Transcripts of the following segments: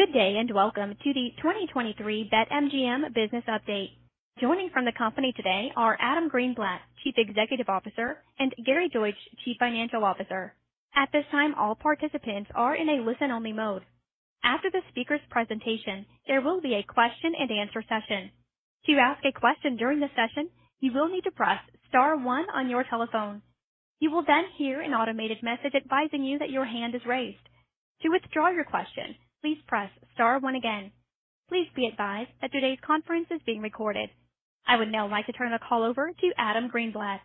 Good day, and welcome to the 2023 BetMGM Business Update. Joining from the company today are Adam Greenblatt, Chief Executive Officer, and Gary Deutsch, Chief Financial Officer. At this time, all participants are in a listen-only mode. After the speakers' presentation, there will be a question-and-answer session. To ask a question during the session, you will need to press star one on your telephone. You will then hear an automated message advising you that your hand is raised. To withdraw your question, please press star one again. Please be advised that today's conference is being recorded. I would now like to turn the call over to Adam Greenblatt.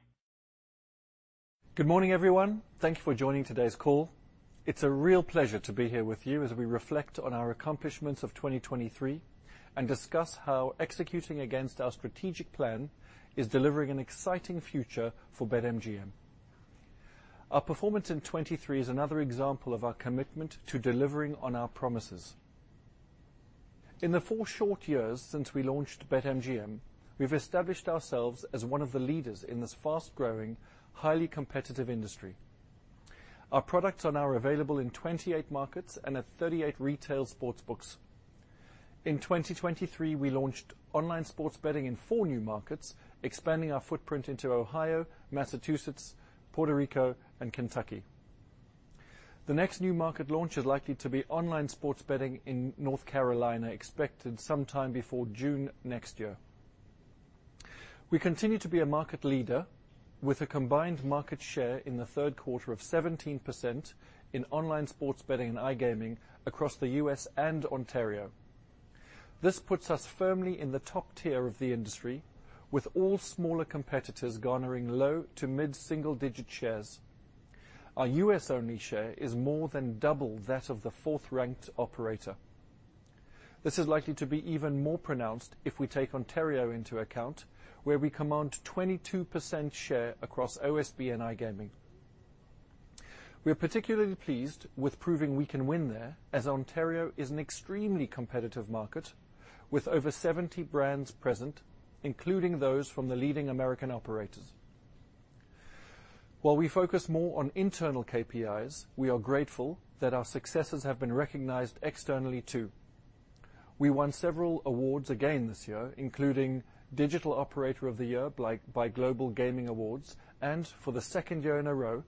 Good morning, everyone. Thank you for joining today's call. It's a real pleasure to be here with you as we reflect on our accomplishments of 2023, and discuss how executing against our strategic plan is delivering an exciting future for BetMGM. Our performance in 2023 is another example of our commitment to delivering on our promises. In the four short years since we launched BetMGM, we've established ourselves as one of the leaders in this fast-growing, highly competitive industry. Our products are now available in 28 markets and at 38 retail sports books. In 2023, we launched online sports betting in 4 new markets, expanding our footprint into Ohio, Massachusetts, Puerto Rico, and Kentucky. The next new market launch is likely to be online sports betting in North Carolina, expected sometime before June next year. We continue to be a market leader with a combined market share in the third quarter of 17% in online sports betting and iGaming across the U.S. and Ontario. This puts us firmly in the top tier of the industry, with all smaller competitors garnering low to mid-single-digit shares. Our U.S.-only share is more than double that of the fourth-ranked operator. This is likely to be even more pronounced if we take Ontario into account, where we command 22% share across OSB and iGaming. We are particularly pleased with proving we can win there, as Ontario is an extremely competitive market with over 70 brands present, including those from the leading American operators. While we focus more on internal KPIs, we are grateful that our successes have been recognized externally, too. We won several awards again this year, including Digital Operator of the Year by Global Gaming Awards, and for the second year in a row,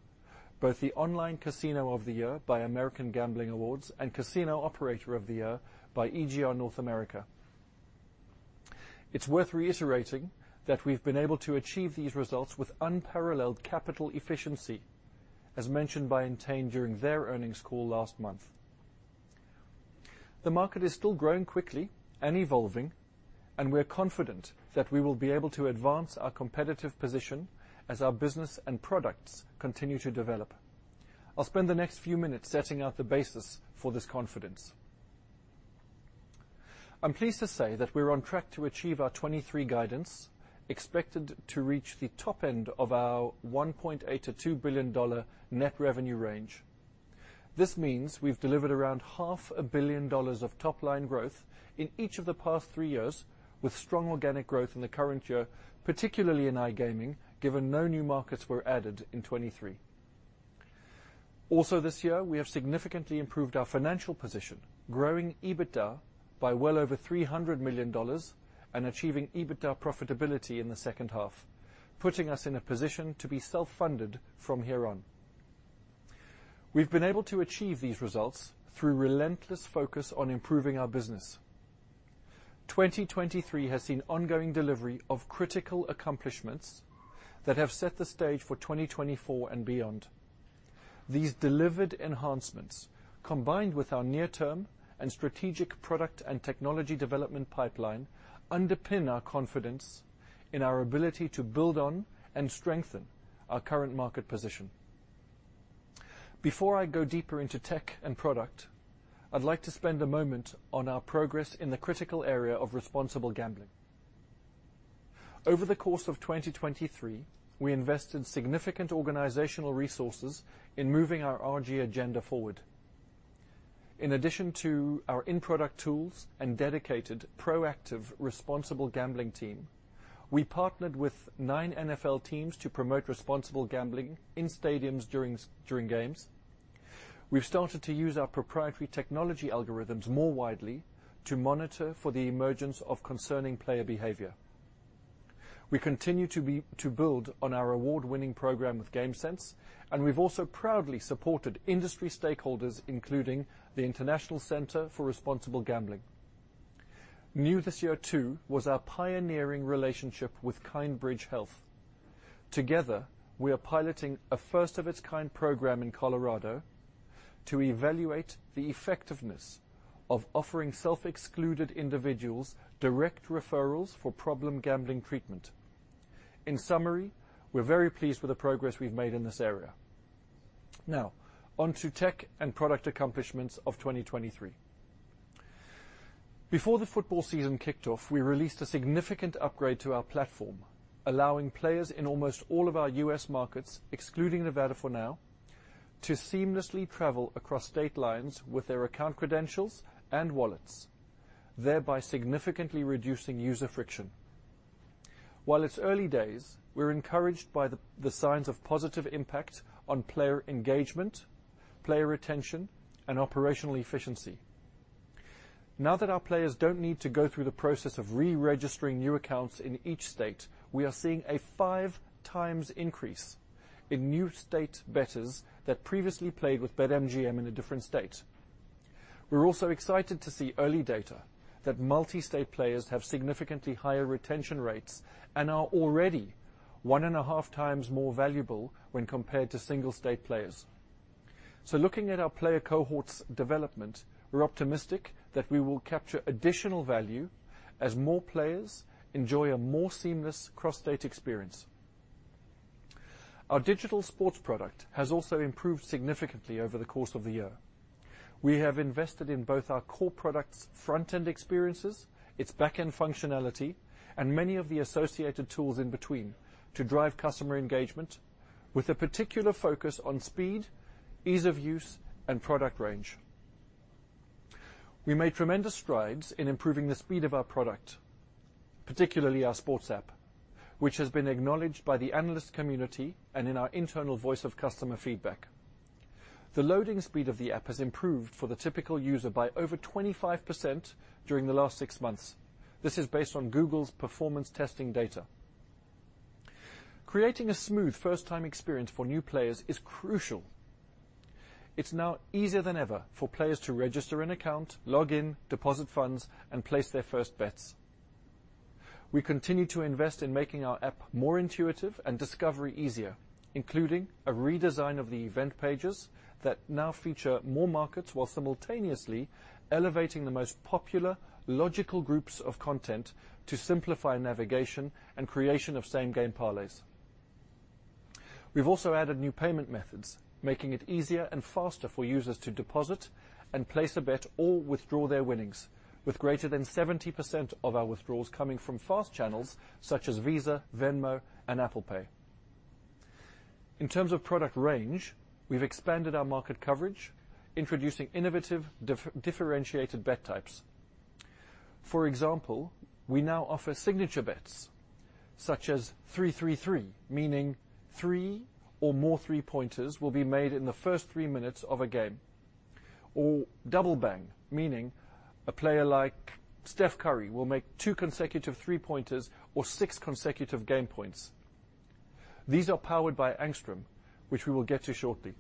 both the Online Casino of the Year by American Gambling Awards and Casino Operator of the Year by EGR North America. It's worth reiterating that we've been able to achieve these results with unparalleled capital efficiency, as mentioned by Entain during their earnings call last month. The market is still growing quickly and evolving, and we are confident that we will be able to advance our competitive position as our business and products continue to develop. I'll spend the next few minutes setting out the basis for this confidence. I'm pleased to say that we're on track to achieve our 2023 guidance, expected to reach the top end of our $1.8 billion-2 billion net revenue range. This means we've delivered around $500 million of top-line growth in each of the past three years, with strong organic growth in the current year, particularly in iGaming, given no new markets were added in 2023. Also this year, we have significantly improved our financial position, growing EBITDA by well over $300 million and achieving EBITDA profitability in the second half, putting us in a position to be self-funded from here on. We've been able to achieve these results through relentless focus on improving our business. 2023 has seen ongoing delivery of critical accomplishments that have set the stage for 2024 and beyond. These delivered enhancements, combined with our near-term and strategic product and technology development pipeline, underpin our confidence in our ability to build on and strengthen our current market position. Before I go deeper into tech and product, I'd like to spend a moment on our progress in the critical area of Responsible Gambling. Over the course of 2023, we invested significant organizational resources in moving our RG agenda forward. In addition to our in-product tools and dedicated, proactive, Responsible Gambling team, we partnered with nine NFL teams to promote Responsible Gambling in stadiums during games. We've started to use our proprietary technology algorithms more widely to monitor for the emergence of concerning player behavior. We continue to build on our award-winning program with GameSense, and we've also proudly supported industry stakeholders, including the International Center for Responsible Gambling. New this year, too, was our pioneering relationship with Kindbridge Health. Together, we are piloting a first-of-its-kind program in Colorado to evaluate the effectiveness of offering self-excluded individuals direct referrals for problem gambling treatment. In summary, we're very pleased with the progress we've made in this area. Now, on to tech and product accomplishments of 2023. Before the football season kicked off, we released a significant upgrade to our platform, allowing players in almost all of our U.S. markets, excluding Nevada for now, to seamlessly travel across state lines with their account credentials and wallets, thereby significantly reducing user friction. While it's early days, we're encouraged by the signs of positive impact on player engagement, player retention, and operational efficiency. Now that our players don't need to go through the process of re-registering new accounts in each state, we are seeing a 5 times increase in new state bettors that previously played with BetMGM in a different state. We're also excited to see early data that multi-state players have significantly higher retention rates and are already 1.5 times more valuable when compared to single state players. So looking at our player cohorts' development, we're optimistic that we will capture additional value as more players enjoy a more seamless cross-state experience. Our digital sports product has also improved significantly over the course of the year. We have invested in both our core products' front-end experiences, its back-end functionality, and many of the associated tools in between to drive customer engagement, with a particular focus on speed, ease of use, and product range. We made tremendous strides in improving the speed of our product, particularly our sports app, which has been acknowledged by the analyst community and in our internal voice of customer feedback. The loading speed of the app has improved for the typical user by over 25% during the last six months. This is based on Google's performance testing data. Creating a smooth first-time experience for new players is crucial. It's now easier than ever for players to register an account, log in, deposit funds, and place their first bets. We continue to invest in making our app more intuitive and discovery easier, including a redesign of the event pages that now feature more markets, while simultaneously elevating the most popular logical groups of content to simplify navigation and creation of same-game parlays. We've also added new payment methods, making it easier and faster for users to deposit and place a bet or withdraw their winnings, with greater than 70% of our withdrawals coming from fast channels such as Visa, Venmo, and Apple Pay. In terms of product range, we've expanded our market coverage, introducing innovative differentiated bet types. For example, we now offer signature bets such as 3-3-3, meaning three or more three-pointers will be made in the first three minutes of a game, or Double Bang, meaning a player like Steph Curry will make two consecutive three-pointers or six consecutive game points. These are powered by Angstrom, which we will get to shortly.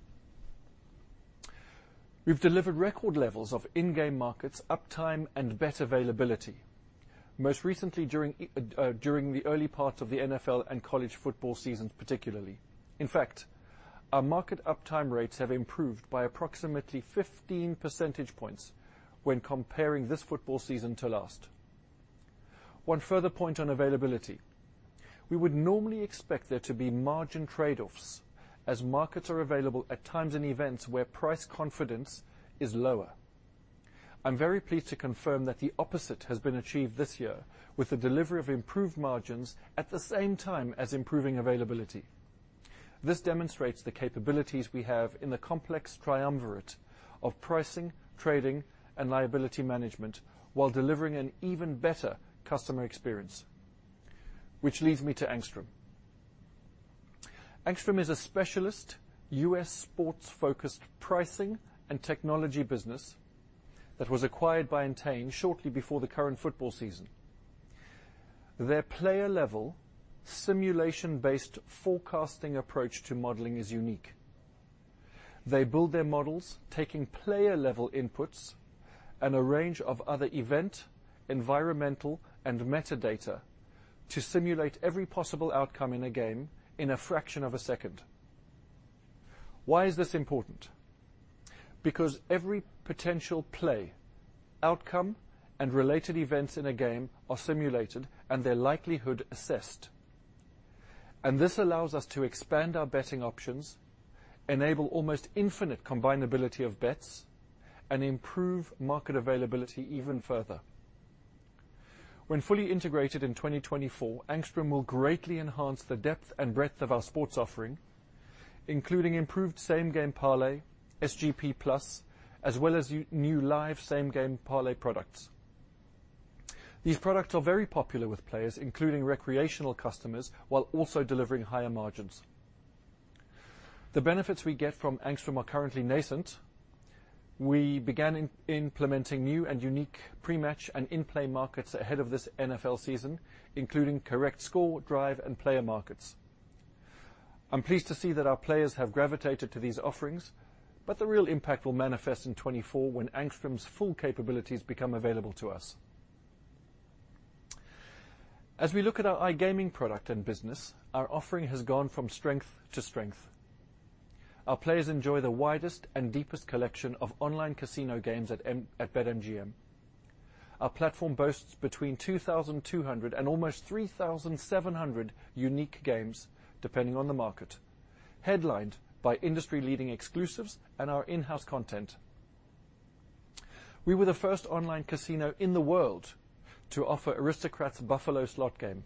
We've delivered record levels of in-game markets, uptime, and bet availability, most recently during the early part of the NFL and college football seasons, particularly. In fact, our market uptime rates have improved by approximately 15 percentage points when comparing this football season to last. One further point on availability: we would normally expect there to be margin trade-offs as markets are available at times and events where price confidence is lower. I'm very pleased to confirm that the opposite has been achieved this year with the delivery of improved margins at the same time as improving availability. This demonstrates the capabilities we have in the complex triumvirate of pricing, trading, and liability management while delivering an even better customer experience. Which leads me to Angstrom. Angstrom is a specialist U.S. sports-focused pricing and technology business that was acquired by Entain shortly before the current football season. Their player-level, simulation-based forecasting approach to modeling is unique. They build their models, taking player-level inputs and a range of other event, environmental, and metadata to simulate every possible outcome in a game in a fraction of a second. Why is this important? Because every potential play, outcome, and related events in a game are simulated and their likelihood assessed, and this allows us to expand our betting options, enable almost infinite combinability of bets, and improve market availability even further. When fully integrated in 2024, Angstrom will greatly enhance the depth and breadth of our sports offering, including improved same-game parlay, SGP Plus, as well as new live same-game parlay products. These products are very popular with players, including recreational customers, while also delivering higher margins. The benefits we get from Angstrom are currently nascent. We began implementing new and unique pre-match and in-play markets ahead of this NFL season, including correct score, drive, and player markets. I'm pleased to see that our players have gravitated to these offerings, but the real impact will manifest in 2024, when Angstrom's full capabilities become available to us. As we look at our iGaming product and business, our offering has gone from strength to strength. Our players enjoy the widest and deepest collection of Online Casino Games at BetMGM. Our platform boasts between 2,200 and almost 3,700 unique games, depending on the market, headlined by industry-leading exclusives and our in-house content. We were the first Online Casino in the world to offer Aristocrat's Buffalo slot game.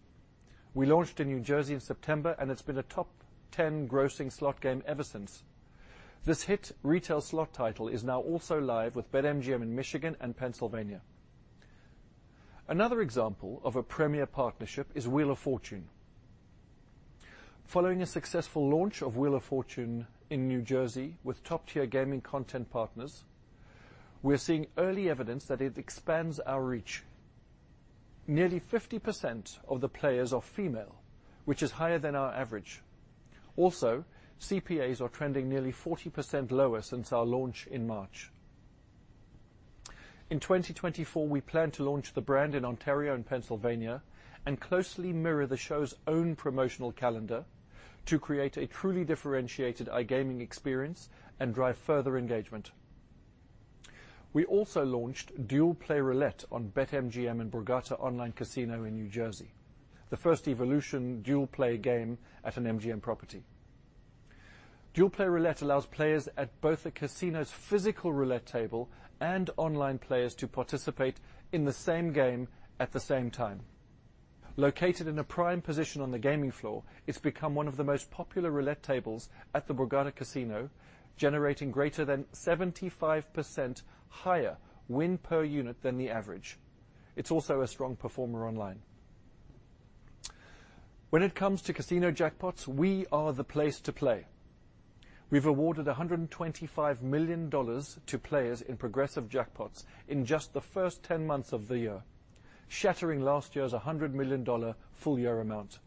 We launched in New Jersey in September, and it's been a top ten grossing slot game ever since. This hit retail slot title is now also live with BetMGM in Michigan and Pennsylvania. Another example of a premier partnership is Wheel of Fortune. Following a successful launch of Wheel of Fortune in New Jersey with top-tier gaming content partners, we are seeing early evidence that it expands our reach. Nearly 50% of the players are female, which is higher than our average. Also, CPAs are trending nearly 40% lower since our launch in March. In 2024, we plan to launch the brand in Ontario and Pennsylvania and closely mirror the show's own promotional calendar to create a truly differentiated iGaming experience and drive further engagement. We also launched Dual Play Roulette on BetMGM and Borgata Online Casino in New Jersey, the first Evolution dual play game at an MGM property. Dual Play Roulette allows players at both the casino's physical roulette table and online players to participate in the same game at the same time. Located in a prime position on the gaming floor, it's become one of the most popular roulette tables at the Borgata Casino, generating greater than 75% higher win per unit than the average. It's also a strong performer online. When it comes to casino jackpots, we are the place to play. We've awarded $125 million to players in Progressive Jackpots in just the first 10 months of the year, shattering last year's $100 million full-year amount.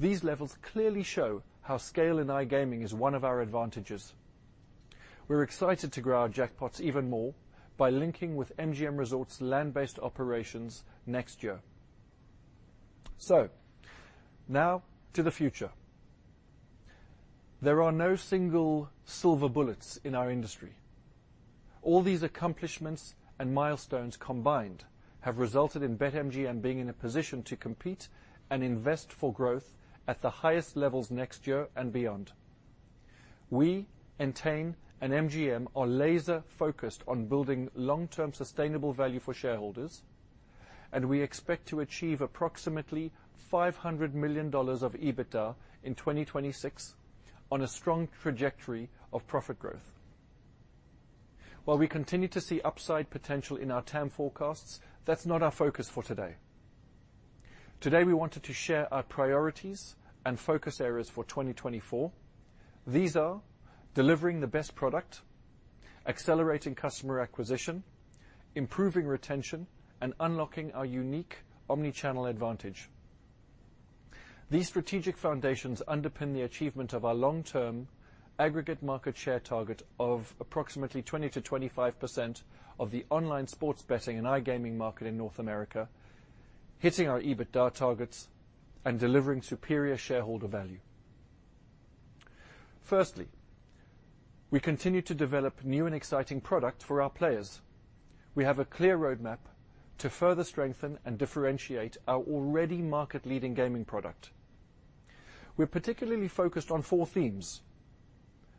These levels clearly show how scale in iGaming is one of our advantages. We're excited to grow our jackpots even more by linking with MGM Resorts' land-based operations next year. So now to the future. There are no single silver bullets in our industry. All these accomplishments and milestones combined have resulted in BetMGM being in a position to compete and invest for growth at the highest levels next year and beyond. We, Entain and MGM, are laser-focused on building long-term, sustainable value for shareholders, and we expect to achieve approximately $500 million of EBITDA in 2026 on a strong trajectory of profit growth. While we continue to see upside potential in our TAM forecasts, that's not our focus for today. Today, we wanted to share our priorities and focus areas for 2024. These are: delivering the best product, accelerating customer acquisition, improving retention, and unlocking our unique omni-channel advantage. These strategic foundations underpin the achievement of our long-term aggregate market share target of approximately 20%-25% of the online sports betting and iGaming market in North America, hitting our EBITDA targets and delivering superior shareholder value. Firstly, we continue to develop new and exciting product for our players. We have a clear roadmap to further strengthen and differentiate our already market-leading gaming product. We're particularly focused on four themes.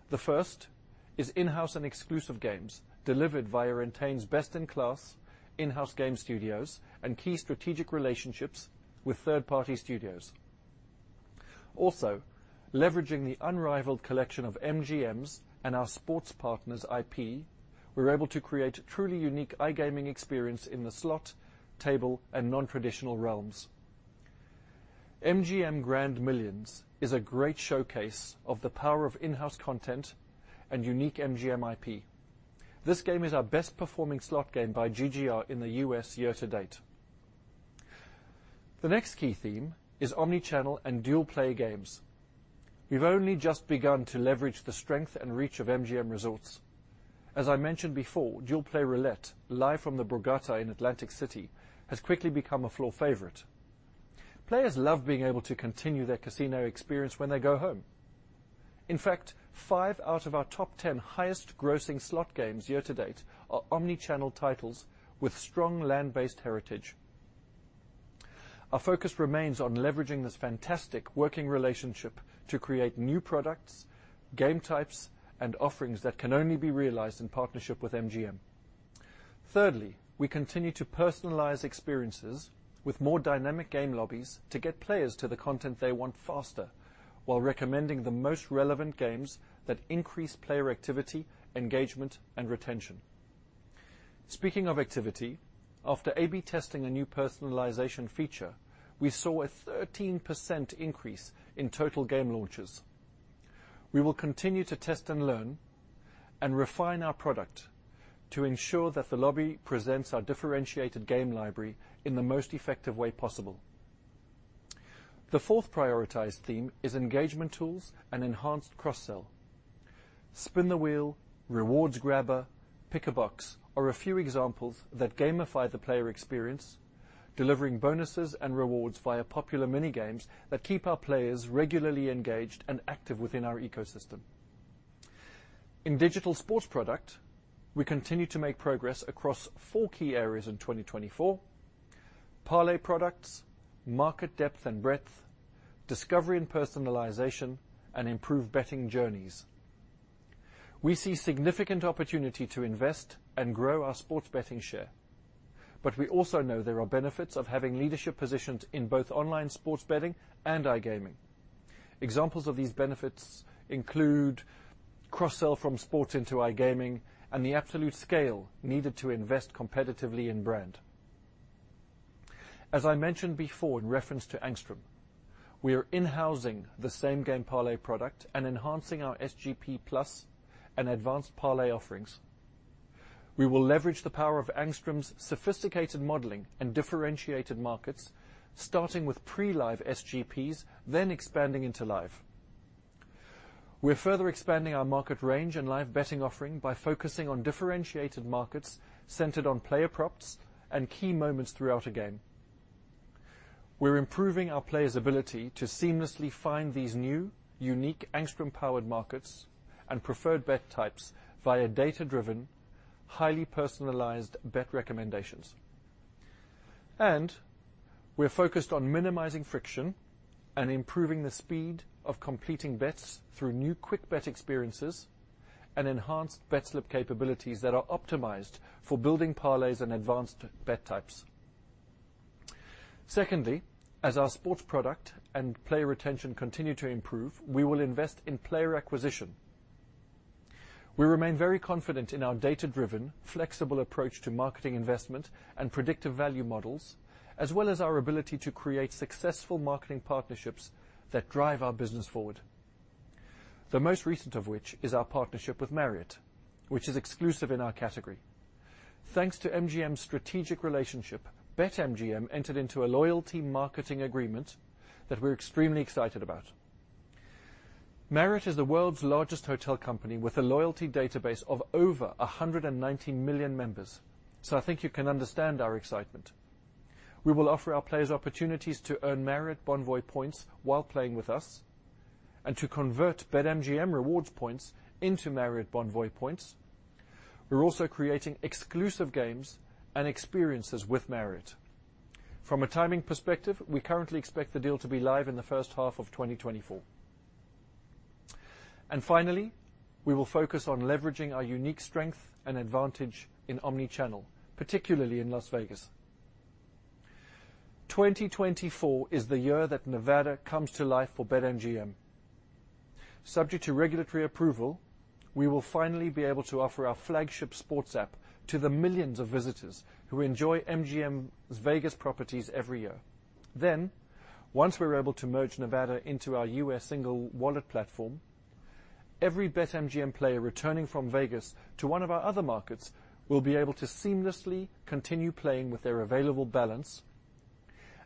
The first is in-house and exclusive games delivered via Entain's best-in-class in-house game studios and key strategic relationships with third-party studios. Also, leveraging the unrivaled collection of MGM's and our sports partners' IP, we're able to create a truly unique iGaming experience in the slot, table, and non-traditional realms. MGM Grand Millions is a great showcase of the power of in-house content and unique MGM IP. This game is our best-performing slot game by GGR in the U.S. year-to-date. The next key theme is omni-channel and dual play games. We've only just begun to leverage the strength and reach of MGM Resorts. As I mentioned before, Dual Play Roulette, live from the Borgata in Atlantic City, has quickly become a floor favorite. Players love being able to continue their casino experience when they go home. In fact, five out of our top 10 highest-grossing slot games year-to-date are omni-channel titles with strong land-based heritage. Our focus remains on leveraging this fantastic working relationship to create new products, game types, and offerings that can only be realized in partnership with MGM. Thirdly, we continue to personalize experiences with more dynamic game lobbies to get players to the content they want faster, while recommending the most relevant games that increase player activity, engagement, and retention. Speaking of activity, after A/B testing a new personalization feature, we saw a 13% increase in total game launches. We will continue to test and learn and refine our product to ensure that the lobby presents our differentiated game library in the most effective way possible. The fourth prioritized theme is engagement tools and enhanced cross-sell. Spin the Wheel, Rewards Grabber, Pick a Box are a few examples that gamify the player experience, delivering bonuses and rewards via popular mini-games that keep our players regularly engaged and active within our ecosystem. In digital sports product, we continue to make progress across four key areas in 2024: parlay products, market depth and breadth, discovery and personalization, and improved betting journeys. We see significant opportunity to invest and grow our sports betting share. We also know there are benefits of having leadership positions in both online sports betting and iGaming. Examples of these benefits include cross-sell from sports into iGaming and the absolute scale needed to invest competitively in brand. As I mentioned before in reference to Angstrom, we are in-housing the Same Game Parlay product and enhancing our SGP Plus and advanced parlay offerings. We will leverage the power of Angstrom's sophisticated modeling and differentiated markets, starting with pre-live SGPs, then expanding into live. We're further expanding our market range and Live Betting offering by focusing on differentiated markets centered on Player Props and Key Moments throughout a game. We're improving our players' ability to seamlessly find these new, unique Angstrom-powered markets and preferred bet types via data-driven, highly personalized bet recommendations. We're focused on minimizing friction and improving the speed of completing bets through new Quick Bet Eperiences and enhanced bet slip capabilities that are optimized for building parlays and advanced bet types. Secondly, as our sports product and player retention continue to improve, we will invest in player acquisition. We remain very confident in our data-driven, flexible approach to marketing investment and predictive value models, as well as our ability to create successful marketing partnerships that drive our business forward. The most recent of which is our partnership with Marriott, which is exclusive in our category. Thanks to MGM's strategic relationship, BetMGM entered into a loyalty marketing agreement that we're extremely excited about. Marriott is the world's largest hotel company, with a loyalty database of over 190 million members, so I think you can understand our excitement. We will offer our players opportunities to earn Marriott Bonvoy points while playing with us and to convert BetMGM Rewards points into Marriott Bonvoy points. We're also creating exclusive games and experiences with Marriott. From a timing perspective, we currently expect the deal to be live in the first half of 2024. Finally, we will focus on leveraging our unique strength and advantage in omni-channel, particularly in Las Vegas. 2024 is the year that Nevada comes to life for BetMGM. Subject to regulatory approval, we will finally be able to offer our flagship sports app to the millions of visitors who enjoy MGM's Vegas properties every year. Then, once we're able to merge Nevada into our U.S. single wallet platform, every BetMGM player returning from Vegas to one of our other markets will be able to seamlessly continue playing with their available balance,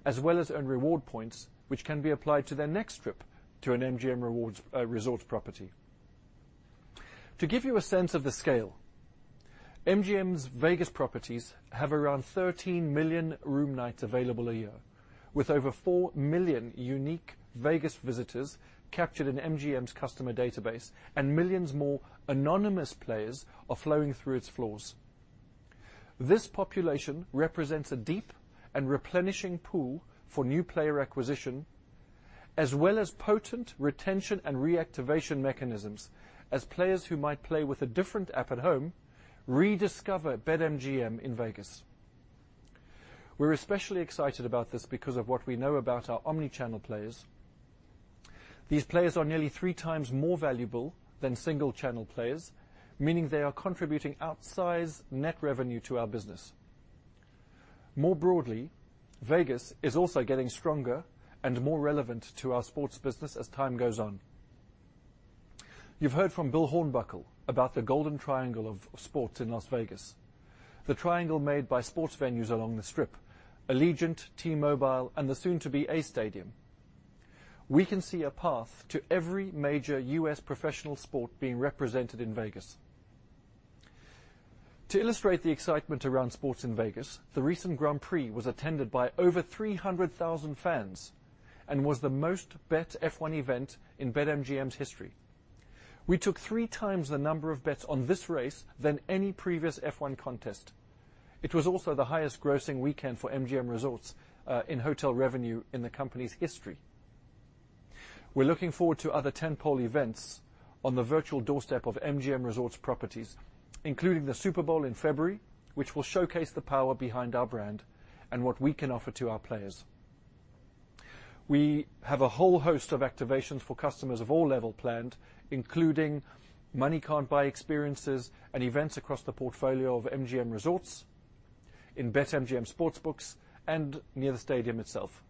as well as earn reward points, which can be applied to their next trip to an MGM Rewards Resort property. To give you a sense of the scale, MGM's Vegas properties have around 13 million room nights available a year, with over 4 million unique Vegas visitors captured in MGM's customer database, and millions more anonymous players are flowing through its floors. This population represents a deep and replenishing pool for new player acquisition, as well as potent retention and reactivation mechanisms, as players who might play with a different app at home rediscover BetMGM in Vegas. We're especially excited about this because of what we know about our omni-channel players. These players are nearly three times more valuable than single channel players, meaning they are contributing outsized net revenue to our business. More broadly, Vegas is also getting stronger and more relevant to our sports business as time goes on. You've heard from Bill Hornbuckle about the golden triangle of sports in Las Vegas, the triangle made by sports venues along the Strip, Allegiant, T-Mobile, and the soon-to-be A's Stadium. We can see a path to every major U.S. professional sport being represented in Vegas. To illustrate the excitement around sports in Vegas, the recent Grand Prix was attended by over 300,000 fans and was the most bet F1 event in BetMGM's history. We took three times the number of bets on this race than any previous F1 contest. It was also the highest grossing weekend for MGM Resorts in hotel revenue in the company's history. We're looking forward to other tentpole events on the virtual doorstep of MGM Resorts properties, including the Super Bowl in February, which will showcase the power behind our brand and what we can offer to our players. We have a whole host of activations for customers of all level planned, including Money Can't Buy experiences and events across the portfolio of MGM Resorts, in BetMGM sports books and near the stadium itself.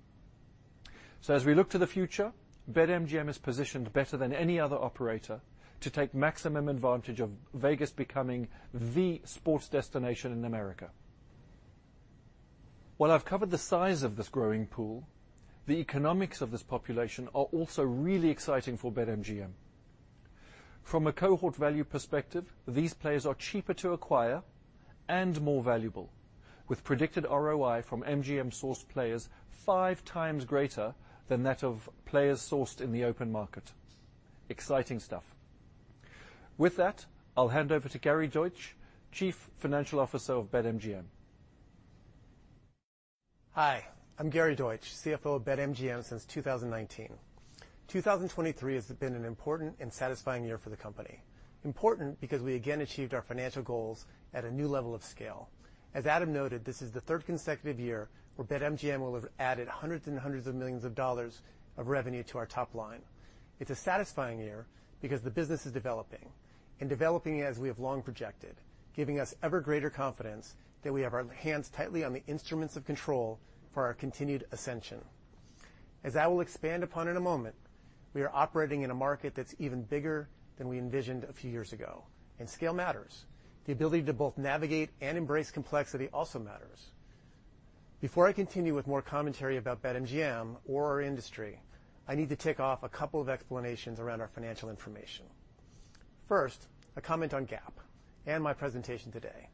As we look to the future, BetMGM is positioned better than any other operator to take maximum advantage of Vegas becoming the sports destination in America. While I've covered the size of this growing pool, the economics of this population are also really exciting for BetMGM. From a cohort value perspective, these players are cheaper to acquire and more valuable, with predicted ROI from MGM-sourced players five times greater than that of players sourced in the open market. Exciting stuff. With that, I'll hand over to Gary Deutsch, Chief Financial Officer of BetMGM. Hi, I'm Gary Deutsch, CFO of BetMGM since 2019. 2023 has been an important and satisfying year for the company. Important because we again achieved our financial goals at a new level of scale. As Adam noted, this is the third consecutive year where BetMGM will have added $hundreds and hundreds of millions of revenue to our top line. It's a satisfying year because the business is developing and developing as we have long projected, giving us ever greater confidence that we have our hands tightly on the instruments of control for our continued ascension. As I will expand upon in a moment, we are operating in a market that's even bigger than we envisioned a few years ago, and scale matters. The ability to both navigate and embrace complexity also matters. Before I continue with more commentary about BetMGM or our industry, I need to tick off a couple of explanations around our financial information. First, a comment on GAAP and my presentation today.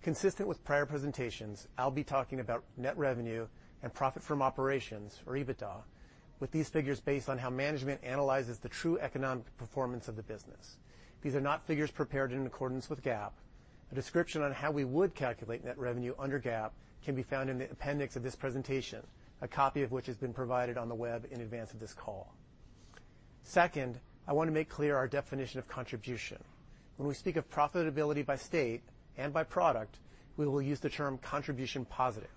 Consistent with prior presentations, I'll be talking about net revenue and profit from operations or EBITDA, with these figures based on how management analyzes the true economic performance of the business. These are not figures prepared in accordance with GAAP. A description on how we would calculate net revenue under GAAP can be found in the appendix of this presentation, a copy of which has been provided on the web in advance of this call. Second, I want to make clear our definition of contribution. When we speak of profitability by state and by product, we will use the term contribution positive.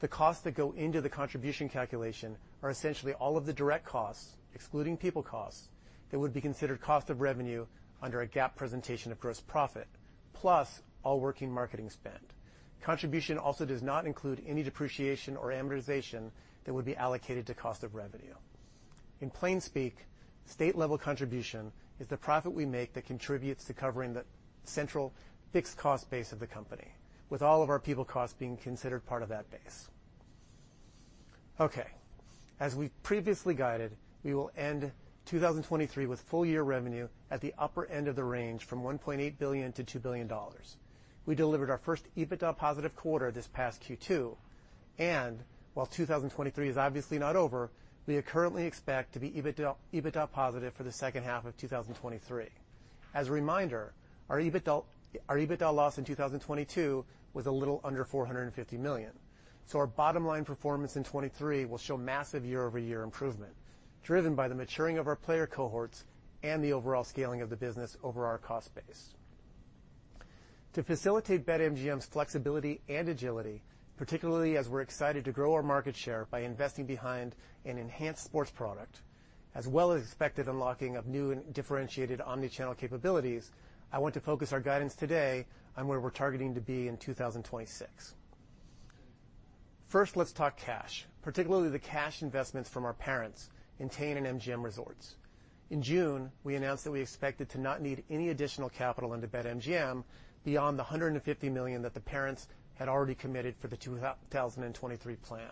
The costs that go into the contribution calculation are essentially all of the direct costs, excluding people costs, that would be considered cost of revenue under a GAAP presentation of gross profit, plus all working marketing spend. Contribution also does not include any depreciation or amortization that would be allocated to cost of revenue. In plain speak, state-level contribution is the profit we make that contributes to covering the central fixed cost base of the company, with all of our people costs being considered part of that base. Okay, as we've previously guided, we will end 2023 with full year revenue at the upper end of the range from $1.8 billion-2 billion. We delivered our first EBITDA positive quarter this past Q2, and while 2023 is obviously not over, we currently expect to be EBITDA positive for the second half of 2023. As a reminder, our EBITDA, our EBITDA loss in 2022 was a little under $450 million, so our bottom line performance in 2023 will show massive year-over-year improvement, driven by the maturing of our player cohorts and the overall scaling of the business over our cost base. To facilitate BetMGM's flexibility and agility, particularly as we're excited to grow our market share by investing behind an enhanced sports product, as well as expected unlocking of new and differentiated omni-channel capabilities, I want to focus our guidance today on where we're targeting to be in 2026. First, let's talk cash, particularly the cash investments from our parents, Entain and MGM Resorts. In June, we announced that we expected to not need any additional capital into BetMGM beyond the $150 million that the parents had already committed for the 2023 plan.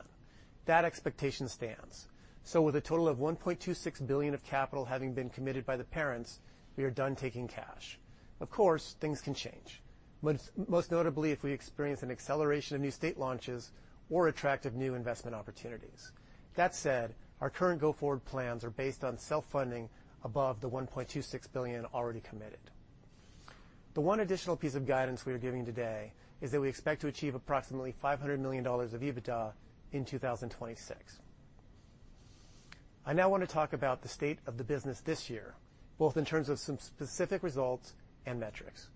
That expectation stands. So with a total of $1.26 billion of capital having been committed by the parents, we are done taking cash. Of course, things can change, most notably if we experience an acceleration of new state launches or attractive new investment opportunities. That said, our current go-forward plans are based on self-funding above the $1.26 billion already committed. The one additional piece of guidance we are giving today is that we expect to achieve approximately $500 million of EBITDA in 2026. I now want to talk about the state of the business this year, both in terms of some specific results and metrics.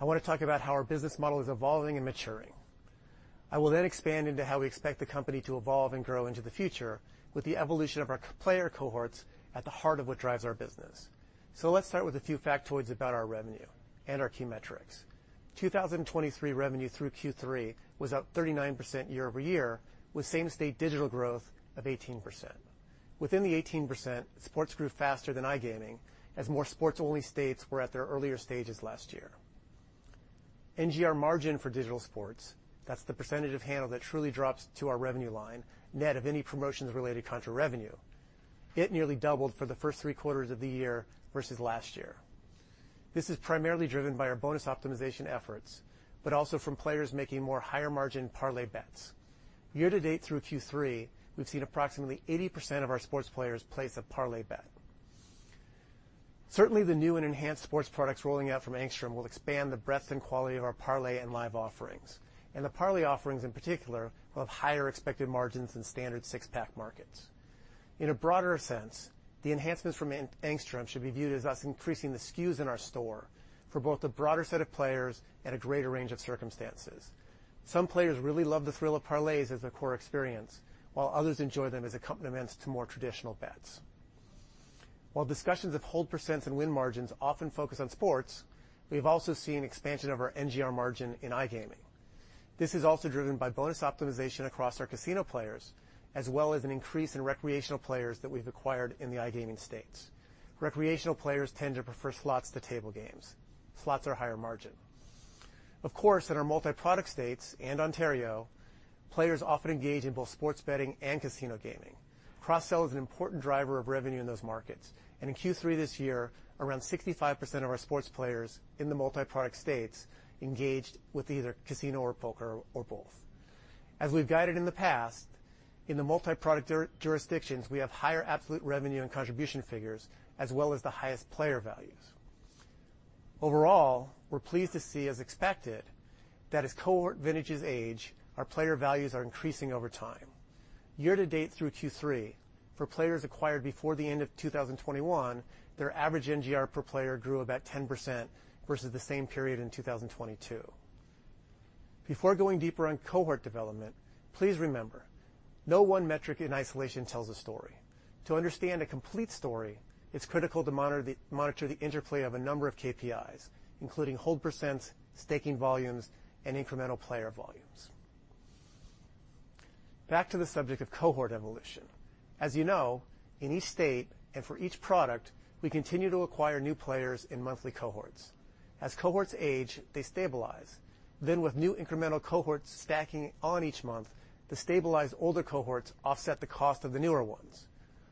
I want to talk about how our business model is evolving and maturing. I will then expand into how we expect the company to evolve and grow into the future with the evolution of our player cohorts at the heart of what drives our business. So let's start with a few factoids about our revenue and our key metrics. 2023 revenue through Q3 was up 39% year-over-year, with same-state digital growth of 18%. Within the 18%, sports grew faster than iGaming, as more sports-only states were at their earlier stages last year. NGR margin for digital sports, that's the percentage of handle that truly drops to our revenue line, net of any promotions related contra revenue. It nearly doubled for the first three quarters of the year versus last year. This is primarily driven by our Bonus Optimization efforts, but also from players making more higher-margin parlay bets. Year-to-date through Q3, we've seen approximately 80% of our sports players place a parlay bet. Certainly, the new and enhanced sports products rolling out from Angstrom will expand the breadth and quality of our parlay and live offerings, and the parlay offerings, in particular, will have higher expected margins than standard six-pack markets. In a broader sense, the enhancements from Angstrom should be viewed as us increasing the SKUs in our store for both a broader set of players and a greater range of circumstances. Some players really love the thrill of parlays as a core experience, while others enjoy them as accompaniments to more traditional bets. While discussions of hold percents and win margins often focus on sports, we've also seen expansion of our NGR margin in iGaming. This is also driven by Bonus Optimization across our casino players, as well as an increase in recreational players that we've acquired in the iGaming states. Recreational players tend to prefer slots to table games. Slots are higher margin. Of course, in our multi-product states and Ontario, players often engage in both sports betting and casino gaming. Cross-sell is an important driver of revenue in those markets, and in Q3 this year, around 65% of our sports players in the multi-product states engaged with either Casino or Poker or both. As we've guided in the past, in the multi-product jurisdictions, we have higher absolute revenue and contribution figures, as well as the highest player values... Overall, we're pleased to see, as expected, that as cohort vintages age, our player values are increasing over time. Year to date through Q3, for players acquired before the end of 2021, their average NGR per player grew about 10% versus the same period in 2022. Before going deeper on cohort development, please remember, no one metric in isolation tells a story. To understand a complete story, it's critical to monitor the interplay of a number of KPIs, including hold percents, staking volumes, and incremental player volumes. Back to the subject of cohort evolution. As you know, in each state and for each product, we continue to acquire new players in monthly cohorts. As cohorts age, they stabilize. Then, with new incremental cohorts stacking on each month, the stabilized older cohorts offset the cost of the newer ones.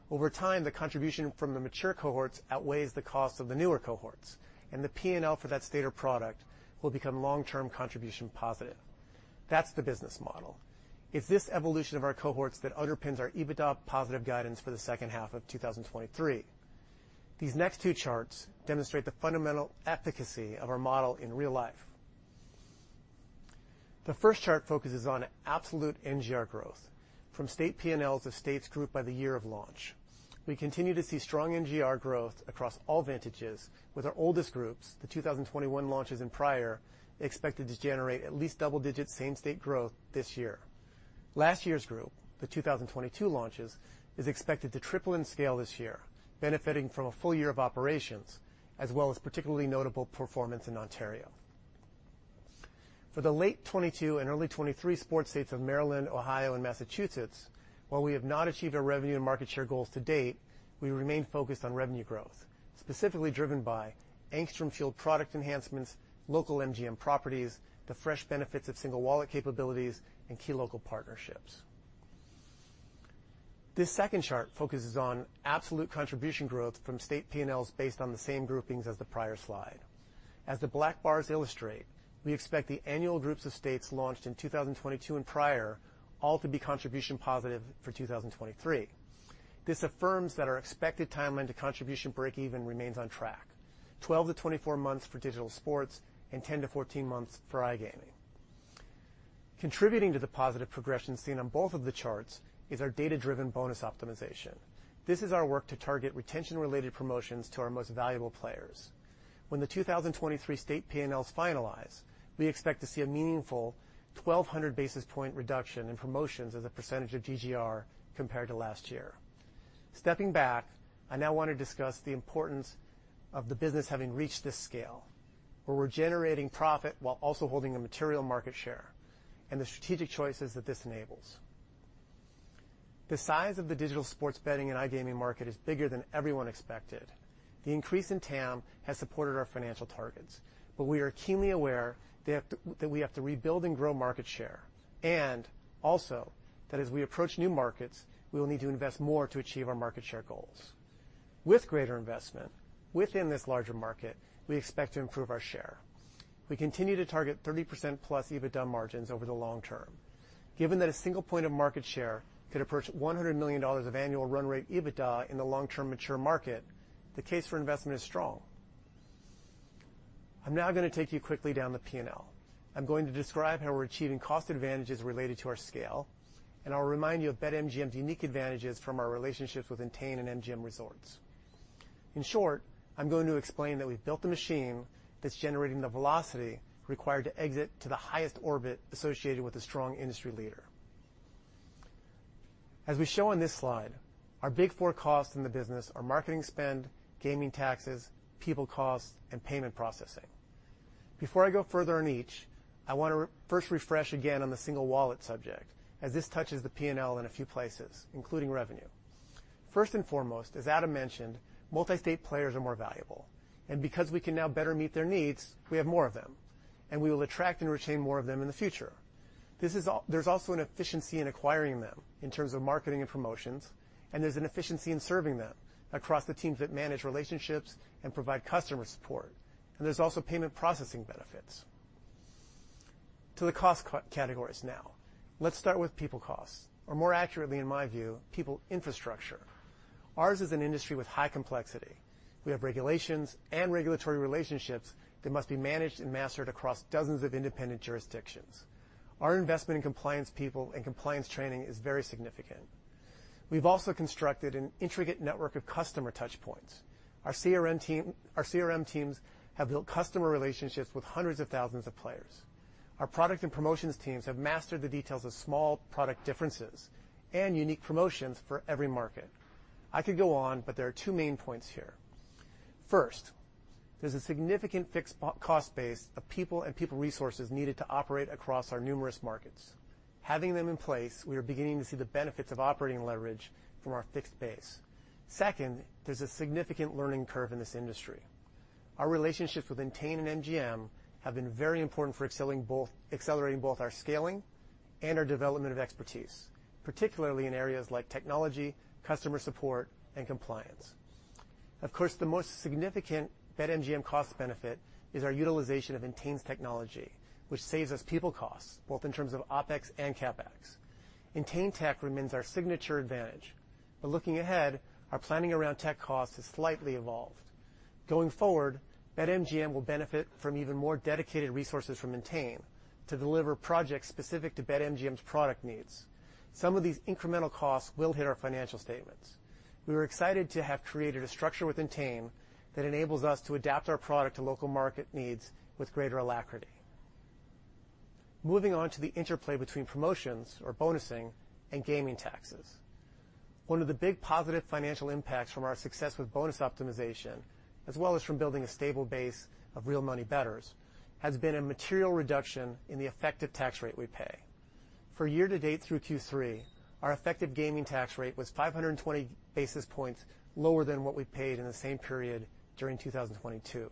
Over time, the contribution from the mature cohorts outweighs the cost of the newer cohorts, and the P&L for that state or product will become long-term contribution positive. That's the business model. It's this evolution of our cohorts that underpins our EBITDA positive guidance for the second half of 2023. These next two charts demonstrate the fundamental efficacy of our model in real life. The first chart focuses on absolute NGR growth from state P&Ls of states grouped by the year of launch. We continue to see strong NGR growth across all vintages with our oldest groups, the 2021 launches and prior, expected to generate at least double-digit same-state growth this year. Last year's group, the 2022 launches, is expected to triple in scale this year, benefiting from a full year of operations, as well as particularly notable performance in Ontario. For the late 2022 and early 2023 sports states of Maryland, Ohio, and Massachusetts, while we have not achieved our revenue and market share goals to date, we remain focused on revenue growth, specifically driven by Angstrom-fueled product enhancements, local MGM properties, the fresh benefits of single wallet capabilities, and key local partnerships. This second chart focuses on absolute contribution growth from state P&Ls based on the same groupings as the prior slide. As the black bars illustrate, we expect the annual groups of states launched in 2022 and prior all to be contribution positive for 2023. This affirms that our expected timeline to contribution breakeven remains on track, 12-24 months for digital sports and 10-14 months for iGaming. Contributing to the positive progression seen on both of the charts is our data-driven bonus optimization. This is our work to target retention-related promotions to our most valuable players. When the 2023 state P&Ls finalize, we expect to see a meaningful 1,200 basis point reduction in promotions as a percentage of GGR compared to last year. Stepping back, I now want to discuss the importance of the business having reached this scale, where we're generating profit while also holding a material market share, and the strategic choices that this enables. The size of the digital sports betting and iGaming market is bigger than everyone expected. The increase in TAM has supported our financial targets, but we are keenly aware that we have to, that we have to rebuild and grow market share, and also that as we approach new markets, we will need to invest more to achieve our market share goals. With greater investment, within this larger market, we expect to improve our share. We continue to target 30%+ EBITDA margins over the long term. Given that a single point of market share could approach $100 million of annual run rate EBITDA in the long term mature market, the case for investment is strong. I'm now gonna take you quickly down the P&L. I'm going to describe how we're achieving cost advantages related to our scale, and I'll remind you of BetMGM's Unique advantages from our relationships with Entain and MGM Resorts. In short, I'm going to explain that we've built a machine that's generating the velocity required to exit to the highest orbit associated with a strong industry leader. As we show on this slide, our big four costs in the business are marketing spend, gaming taxes, people costs, and payment processing. Before I go further on each, I want to first refresh again on the single wallet subject, as this touches the P&L in a few places, including revenue. First and foremost, as Adam mentioned, multi-state players are more valuable, and because we can now better meet their needs, we have more of them, and we will attract and retain more of them in the future. There's also an efficiency in acquiring them in terms of marketing and promotions, and there's an efficiency in serving them across the teams that manage relationships and provide customer support, and there's also payment processing benefits. To the cost categories now. Let's start with people costs, or more accurately, in my view, people infrastructure. Ours is an industry with high complexity. We have regulations and regulatory relationships that must be managed and mastered across dozens of independent jurisdictions. Our investment in compliance people and compliance training is very significant. We've also constructed an intricate network of customer touchpoints. Our CRM team, our CRM teams have built customer relationships with hundreds of thousands of players. Our product and promotions teams have mastered the details of small product differences and unique promotions for every market. I could go on, but there are two main points here. First, there's a significant fixed cost base of people and people resources needed to operate across our numerous markets. Having them in place, we are beginning to see the benefits of operating leverage from our fixed base. Second, there's a significant learning curve in this industry. Our relationships with Entain and MGM have been very important for accelerating both our scaling and our development of expertise, particularly in areas like technology, customer support, and compliance. Of course, the most significant BetMGM cost benefit is our utilization of Entain's technology, which saves us people costs, both in terms of OpEx and CapEx. Entain Tech remains our signature advantage. But looking ahead, our planning around tech costs has slightly evolved. Going forward, BetMGM will benefit from even more dedicated resources from Entain to deliver projects specific to BetMGM's product needs. Some of these incremental costs will hit our financial statements. We were excited to have created a structure within Entain that enables us to adapt our product to local market needs with greater alacrity. Moving on to the interplay between promotions or bonusing and gaming taxes. One of the big positive financial impacts from our success with bonus optimization, as well as from building a stable base of real money bettors, has been a material reduction in the effective tax rate we pay. For year to date through Q3, our effective gaming tax rate was 520 basis points lower than what we paid in the same period during 2022.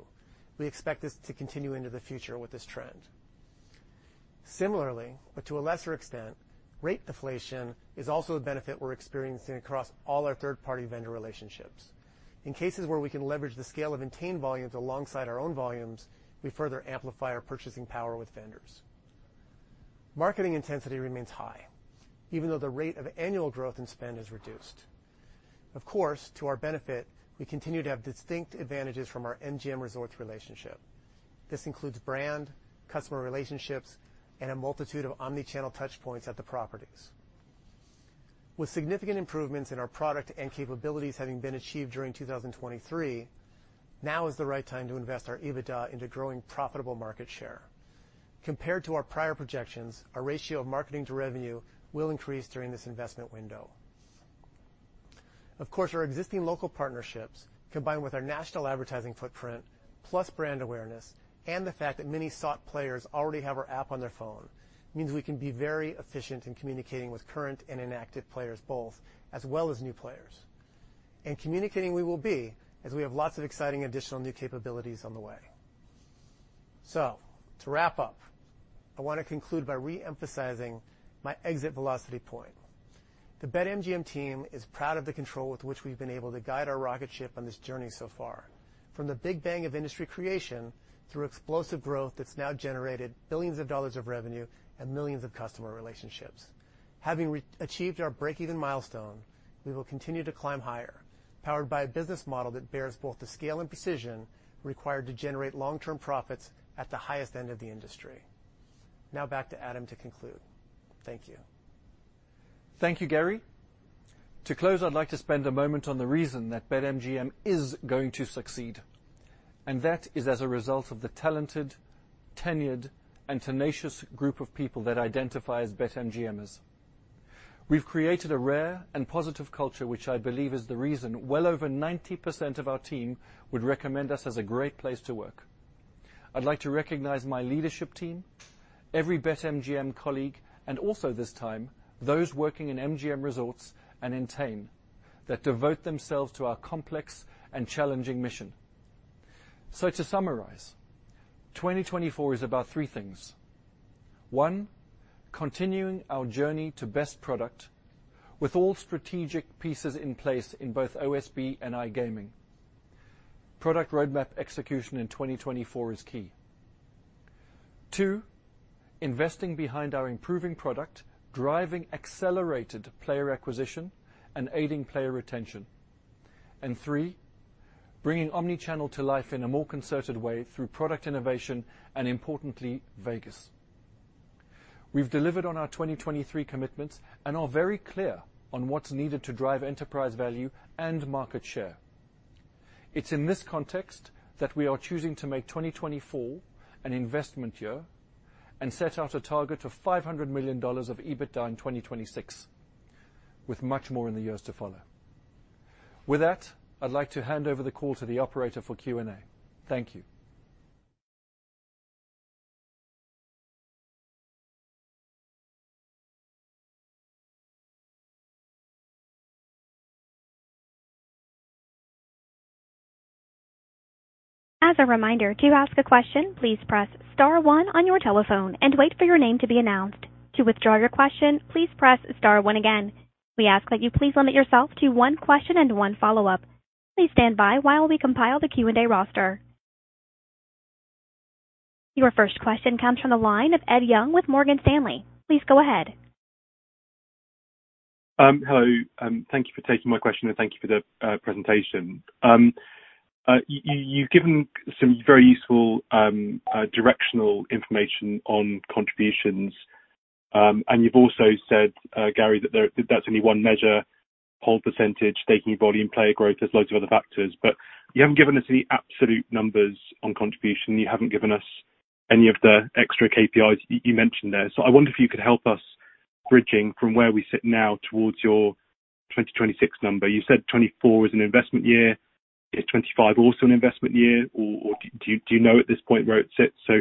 We expect this to continue into the future with this trend. Similarly, but to a lesser extent, rate deflation is also a benefit we're experiencing across all our third-party vendor relationships. In cases where we can leverage the scale of Entain volumes alongside our own volumes, we further amplify our purchasing power with vendors. Marketing intensity remains high, even though the rate of annual growth in spend is reduced. Of course, to our benefit, we continue to have distinct advantages from our MGM Resorts relationship. This includes brand, customer relationships, and a multitude of Omni-channel touchpoints at the properties. With significant improvements in our product and capabilities having been achieved during 2023, now is the right time to invest our EBITDA into growing profitable market share. Compared to our prior projections, our ratio of marketing to revenue will increase during this investment window. Of course, our existing local partnerships, combined with our national advertising footprint, plus brand awareness, and the fact that many sought players already have our app on their phone, means we can be very efficient in communicating with current and inactive players both, as well as new players. And communicating we will be, as we have lots of exciting additional new capabilities on the way. So to wrap up, I want to conclude by re-emphasizing my exit velocity point. The BetMGM team is proud of the control with which we've been able to guide our rocket ship on this journey so far, from the big bang of industry creation through explosive growth that's now generated billions of dollars of revenue and millions of customer relationships. Having achieved our breakeven milestone, we will continue to climb higher, powered by a business model that bears both the scale and precision required to generate long-term profits at the highest end of the industry. Now back to Adam to conclude. Thank you. Thank you, Gary. To close, I'd like to spend a moment on the reason that BetMGM is going to succeed, and that is as a result of the talented, tenured, and tenacious group of people that identify as BetMGMers. We've created a rare and positive culture, which I believe is the reason well over 90% of our team would recommend us as a great place to work. I'd like to recognize my leadership team, every BetMGM colleague, and also this time, those working in MGM Resorts and Entain, that devote themselves to our complex and challenging mission. To summarize, 2024 is about 3 things. 1, continuing our journey to best product with all strategic pieces in place in both OSB and iGaming. Product roadmap execution in 2024 is key. 2, investing behind our improving product, driving accelerated player acquisition and aiding player retention. And three, bringing Omni-channel to life in a more concerted way through product innovation and importantly, Vegas. We've delivered on our 2023 commitments and are very clear on what's needed to drive enterprise value and market share. It's in this context that we are choosing to make 2024 an investment year and set out a target of $500 million of EBITDA in 2026, with much more in the years to follow. With that, I'd like to hand over the call to the operator for Q&A. Thank you. As a reminder, to ask a question, please press star one on your telephone and wait for your name to be announced. To withdraw your question, please press star one again. We ask that you please limit yourself to one question and one follow-up. Please stand by while we compile the Q&A roster. Your first question comes from the line of Ed Young with Morgan Stanley. Please go ahead. Hello, thank you for taking my question, and thank you for the presentation. You've given some very useful directional information on contributions, and you've also said, Gary, that that's only one measure, hold percentage, staking volume, player growth. There's loads of other factors, but you haven't given us the absolute numbers on contribution. You haven't given us any of the extra KPIs you mentioned there. So I wonder if you could help us bridging from where we sit now towards your 2026 number. You said 2024 is an investment year. Is 2025 also an investment year, or do you know at this point where it sits? So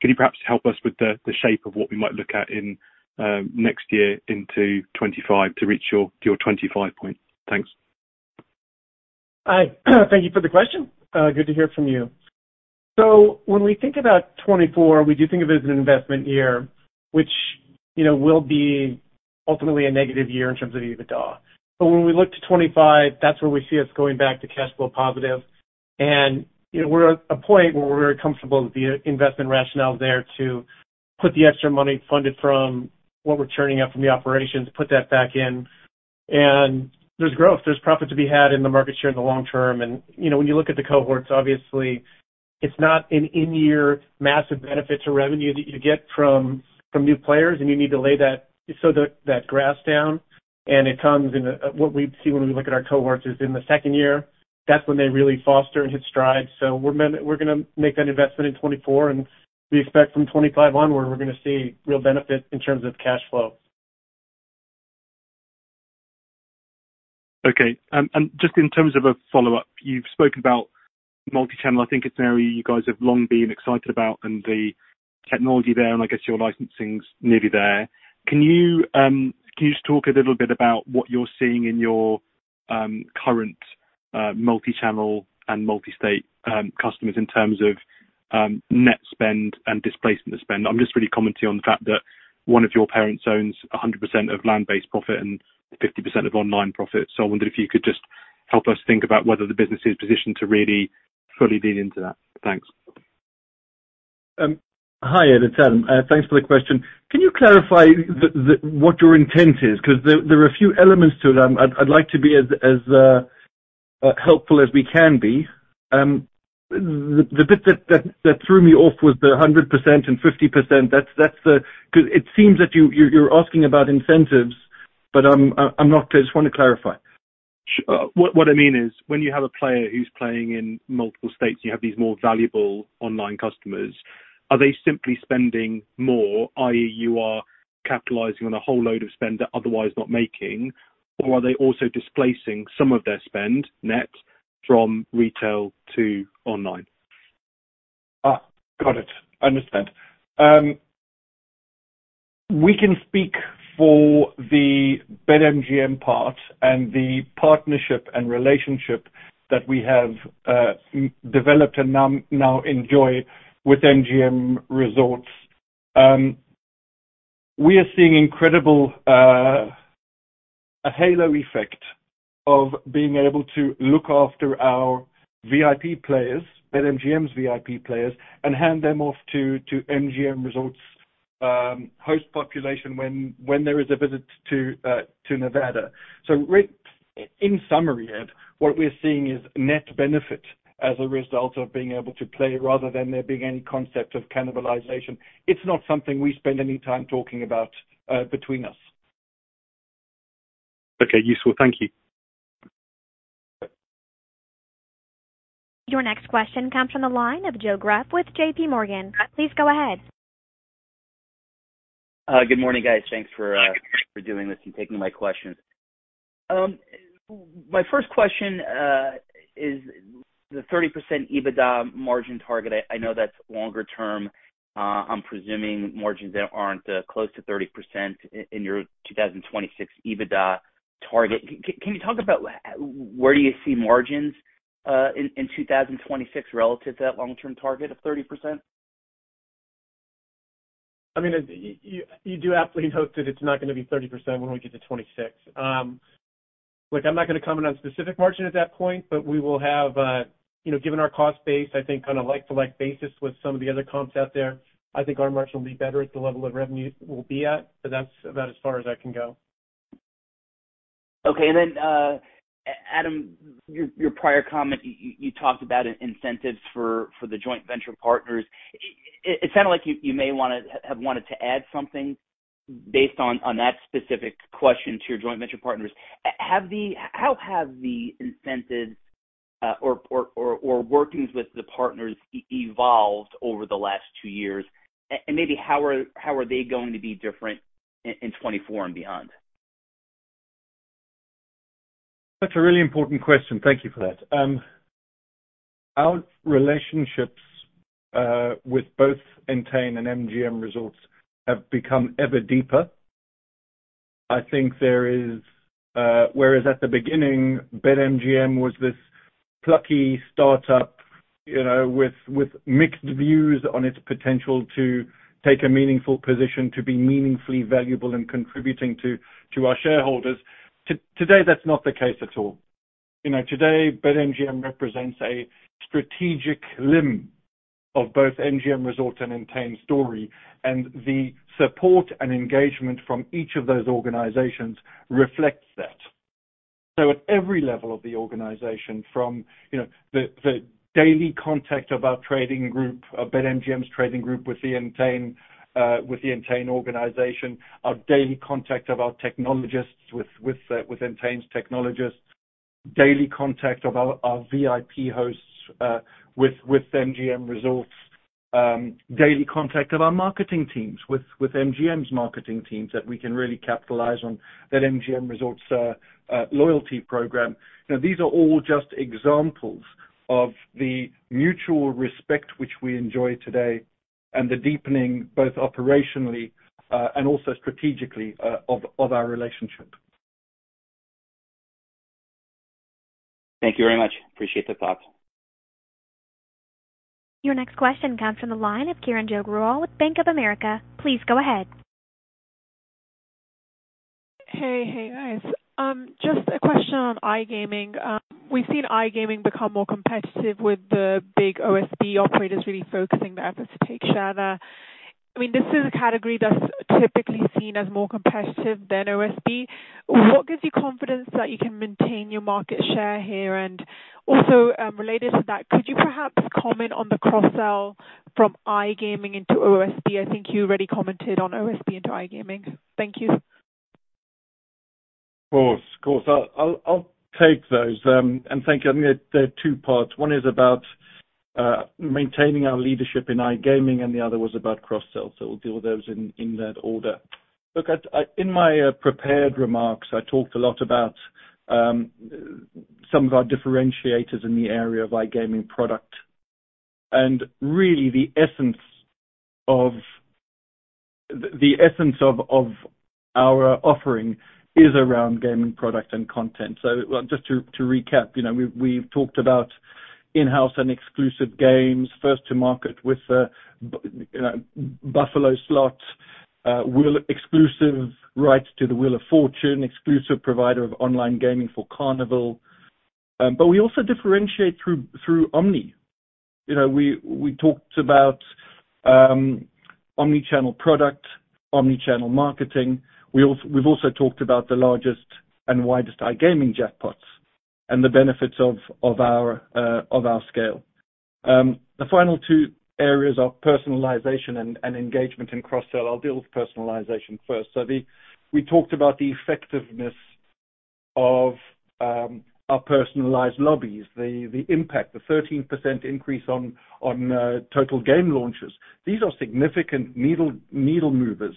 can you perhaps help us with the shape of what we might look at in next year into 2025 to reach your 2025 point? Thanks. Hi, thank you for the question. Good to hear from you. So when we think about 2024, we do think of it as an investment year, which, you know, will be ultimately a negative year in terms of EBITDA. But when we look to 2025, that's where we see us going back to cash flow positive. And, you know, we're at a point where we're very comfortable with the investment rationale there to put the extra money funded from what we're turning out from the operations, put that back in. And there's growth, there's profit to be had in the market share in the long term. And, you know, when you look at the cohorts, obviously it's not an in-year massive benefit to revenue that you get from, from new players, and you need to lay that so that, that grass down, and it comes in. What we see when we look at our cohorts is in the second year, that's when they really foster and hit strides. So we're gonna make that investment in 2024, and we expect from 2025 onward, we're gonna see real benefit in terms of cash flow. Okay. And just in terms of a follow-up, you've spoken about multi-channel. I think it's an area you guys have long been excited about and the technology there, and I guess your licensing's nearly there. Can you, can you just talk a little bit about what you're seeing in your, current, multi-channel and multi-state, customers in terms of, net spend and displacement spend? I'm just really commenting on the fact that one of your parents owns 100% of land-based profit and 50% of online profit. So I wonder if you could just help us think about whether the business is positioned to really fully lean into that. Thanks. Hi, Ed, it's Adam. Thanks for the question. Can you clarify what your intent is? Because there are a few elements to it. I'd like to be as helpful as we can be. The bit that threw me off was the 100% and 50%. That's the... Because it seems that you're asking about incentives, but I'm not clear. I just want to clarify. Sure. What, what I mean is, when you have a player who's playing in multiple states, you have these more valuable online customers. Are they simply spending more, i.e., you are capitalizing on a whole load of spend they're otherwise not making, or are they also displacing some of their spend net from retail to online? Got it. Understand. We can speak for the BetMGM part and the partnership and relationship that we have developed and now, now enjoy with MGM Resorts. We are seeing incredible a halo effect of being able to look after our VIP players, BetMGM's VIP players, and hand them off to, to MGM Resorts host population when, when there is a visit to, to Nevada. So in summary, Ed, what we're seeing is net benefit as a result of being able to play rather than there being any concept of cannibalization. It's not something we spend any time talking about between us. Okay, useful. Thank you. Your next question comes from the line of Joe Greff with JPMorgan. Please go ahead. Good morning, guys. Thanks for doing this and taking my questions. My first question is the 30% EBITDA margin target. I know that's longer term. I'm presuming margins that aren't close to 30% in your 2026 EBITDA target. Can you talk about where do you see margins in 2026 relative to that long-term target of 30%? I mean, you do aptly note that it's not gonna be 30% when we get to 2026. Look, I'm not gonna comment on specific margin at that point, but we will have a, you know, given our cost base, I think on a like-to-like basis with some of the other comps out there, I think our margin will be better at the level of revenue we'll be at, but that's about as far as I can go. Okay. And then, Adam, your prior comment, you talked about incentives for the joint venture partners. It sounded like you may have wanted to add something based on that specific question to your joint venture partners. Have the incentives or workings with the partners evolved over the last two years? And maybe how are they going to be different in 2024 and beyond? That's a really important question. Thank you for that. Our relationships with both Entain and MGM Resorts have become ever deeper. I think there is, whereas at the beginning, BetMGM was this plucky startup, you know, with, with mixed views on its potential to take a meaningful position, to be meaningfully valuable and contributing to, to our shareholders, today, that's not the case at all. You know, today, BetMGM represents a strategic limb of both MGM Resorts and Entain story, and the support and engagement from each of those organizations reflects that. So at every level of the organization, from, you know, the daily contact of our trading group, of BetMGM's trading group, with the Entain, with the Entain organization, our daily contact of our technologists with Entain's technologists, daily contact of our VIP hosts with MGM Resorts, daily contact of our marketing teams with MGM's marketing teams, that we can really capitalize on that MGM Resorts' loyalty program. Now, these are all just examples of the mutual respect which we enjoy today and the deepening, both operationally and also strategically, of our relationship. Thank you very much. Appreciate the thoughts. Your next question comes from the line of Kiranjot Grewal with Bank of America. Please go ahead. Hey, hey, guys. Just a question on iGaming. We've seen iGaming become more competitive with the big OSB operators really focusing their efforts to take share there. I mean, this is a category that's typically seen as more competitive than OSB. What gives you confidence that you can maintain your market share here? And also, related to that, could you perhaps comment on the cross-sell from iGaming into OSB? I think you already commented on OSB into iGaming. Thank you. Of course, of course. I'll take those. And thank you. I mean, there are two parts. One is about maintaining our leadership in iGaming, and the other was about cross-sell. So we'll deal with those in that order. Look, in my prepared remarks, I talked a lot about some of our differentiators in the area of iGaming product. And really the essence of our offering is around gaming product and content. So just to recap, you know, we've talked about in-house and exclusive games, first to market with, you know, Buffalo slots, wheel exclusive rights to the Wheel of Fortune, exclusive provider of online gaming for Carnival. But we also differentiate through omni. You know, we talked about omni-channel product, omni-channel marketing. We also, we've also talked about the largest and widest iGaming jackpots and the benefits of, of our, of our scale. The final two areas are personalization and, and engagement in cross-sell. I'll deal with personalization first. So the, we talked about the effectiveness of, our personalized lobbies, the, the impact, the 13% increase on, on, total game launches. These are significant needle, needle movers.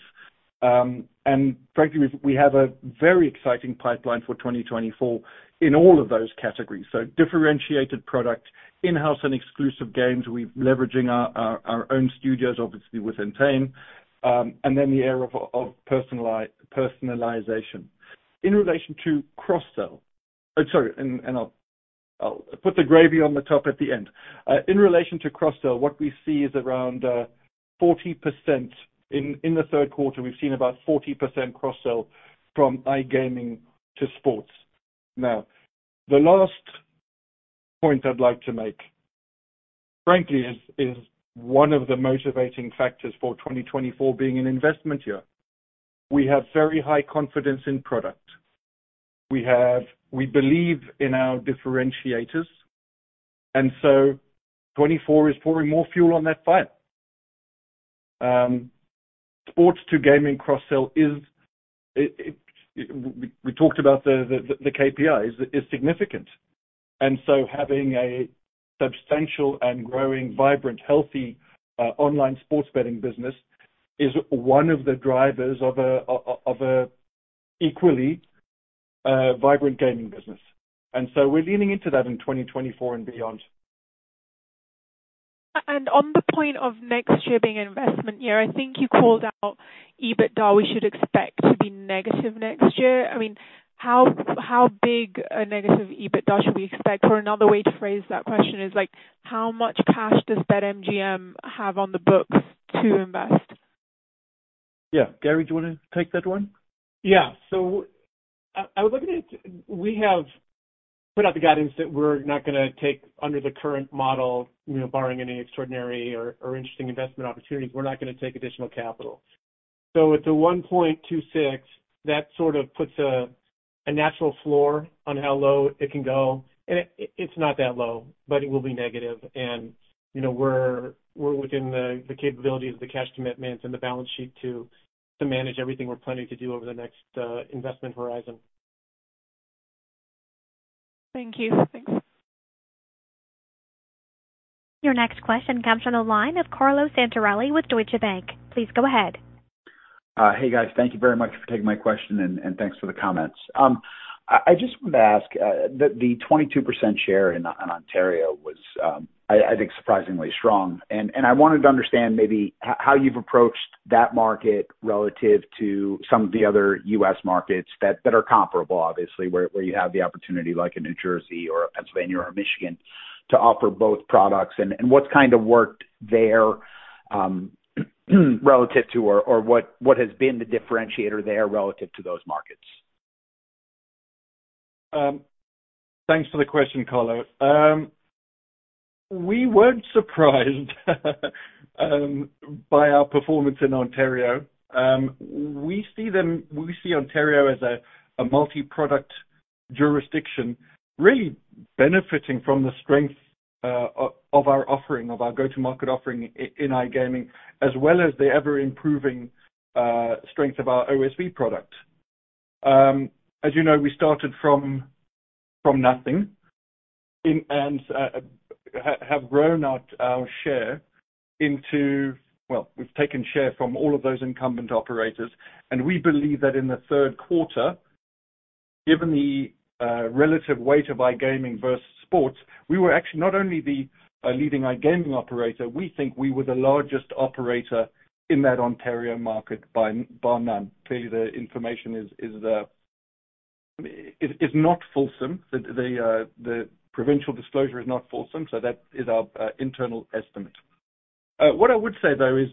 And frankly, we, we have a very exciting pipeline for 2024 in all of those categories. So differentiated product, in-house and exclusive games. We're leveraging our, our, our own studios, obviously, with Entain, and then the area of, of personalization. In relation to cross-sell, and, and I'll, I'll put the gravy on the top at the end. In relation to cross-sell, what we see is around, 40%. In the third quarter, we've seen about 40% cross-sell from iGaming to sports. Now, the last point I'd like to make, frankly, is one of the motivating factors for 2024 being an investment year. We have very high confidence in product. We believe in our differentiators, and so 2024 is pouring more fuel on that fire. Sports to gaming cross-sell is, we talked about the KPIs, is significant. And so having a substantial and growing, vibrant, healthy online sports betting business is one of the drivers of an equally vibrant gaming business. And so we're leaning into that in 2024 and beyond. On the point of next year being an investment year, I think you called out EBITDA we should expect to be negative next year. I mean, how big a negative EBITDA should we expect? Or another way to phrase that question is like, how much cash does BetMGM have on the books to invest? Yeah. Gary, do you want to take that one? Yeah. So I would look at it. We have put out the guidance that we're not gonna take under the current model, you know, barring any extraordinary or interesting investment opportunities, we're not gonna take additional capital. So it's a 1.26 that sort of puts a natural floor on how low it can go, and it's not that low, but it will be negative. And, you know, we're within the capabilities of the cash commitments and the balance sheet to manage everything we're planning to do over the next investment horizon. Thank you. Thanks. Your next question comes from the line of Carlo Santarelli with Deutsche Bank. Please go ahead. Hey, guys. Thank you very much for taking my question, and, and thanks for the comments. I, I just wanted to ask, the, the 22% share in, in Ontario was, I, I think, surprisingly strong. And, and I wanted to understand maybe h-how you've approached that market relative to some of the other U.S. markets that, that are comparable, obviously, where, where you have the opportunity, like in New Jersey or Pennsylvania or Michigan, to offer both products. And, and what's kind of worked there, relative to, or, or what, what has been the differentiator there relative to those markets? Thanks for the question, Carlo. We weren't surprised by our performance in Ontario. We see them, we see Ontario as a multi-product jurisdiction, really benefiting from the strength of our offering, of our go-to-market offering in iGaming, as well as the ever-improving strength of our OSB product. As you know, we started from nothing and have grown our share into... Well, we've taken share from all of those incumbent operators, and we believe that in the third quarter, given the relative weight of iGaming versus sports, we were actually not only the leading iGaming operator, we think we were the largest operator in that Ontario market by none. Clearly, the information is not fulsome. The provincial disclosure is not fulsome, so that is our internal estimate. What I would say, though, is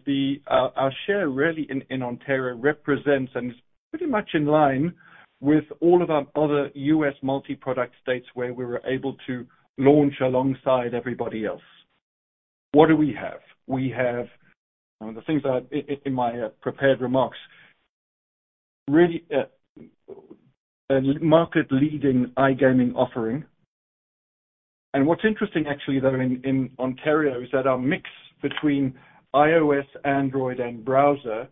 our share really in Ontario represents and is pretty much in line with all of our other U.S. multi-product states where we were able to launch alongside everybody else. What do we have? We have the things that in my prepared remarks, really a market-leading iGaming offering. And what's interesting actually, though, in Ontario is that our mix between iOS, Android, and browser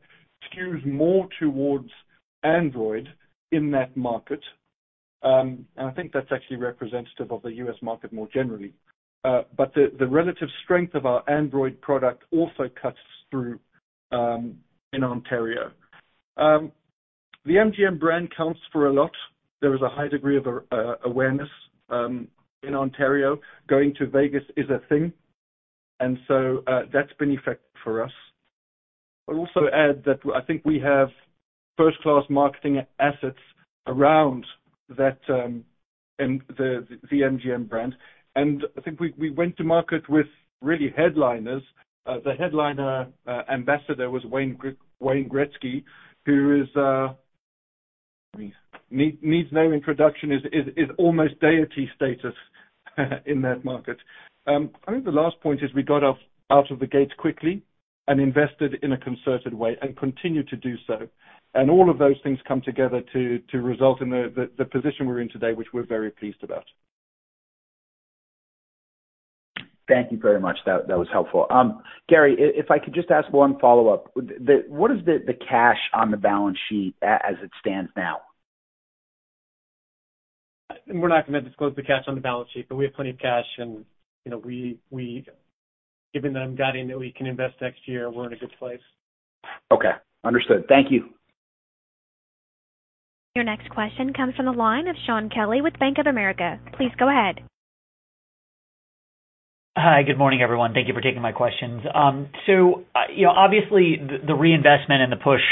skews more towards Android in that market. And I think that's actually representative of the U.S. market more generally. But the relative strength of our Android product also cuts through in Ontario. The MGM brand counts for a lot. There is a high degree of awareness in Ontario. Going to Vegas is a thing, and so that's been effective for us. I'll also add that I think we have first-class marketing assets around that, in the MGM brand. I think we went to market with really headliners. The headliner ambassador was Wayne Gretzky, who needs no introduction, is almost deity status in that market. I think the last point is we got out of the gates quickly and invested in a concerted way and continue to do so. All of those things come together to result in the position we're in today, which we're very pleased about. Thank you very much. That was helpful. Gary, if I could just ask one follow-up: what is the cash on the balance sheet as it stands now? We're not gonna disclose the cash on the balance sheet, but we have plenty of cash and, you know, we-- Given the guidance that we can invest next year, we're in a good place. Okay, understood. Thank you. Your next question comes from the line of Shaun Kelley with Bank of America. Please go ahead. Hi, good morning, everyone. Thank you for taking my questions. So, you know, obviously the reinvestment and the push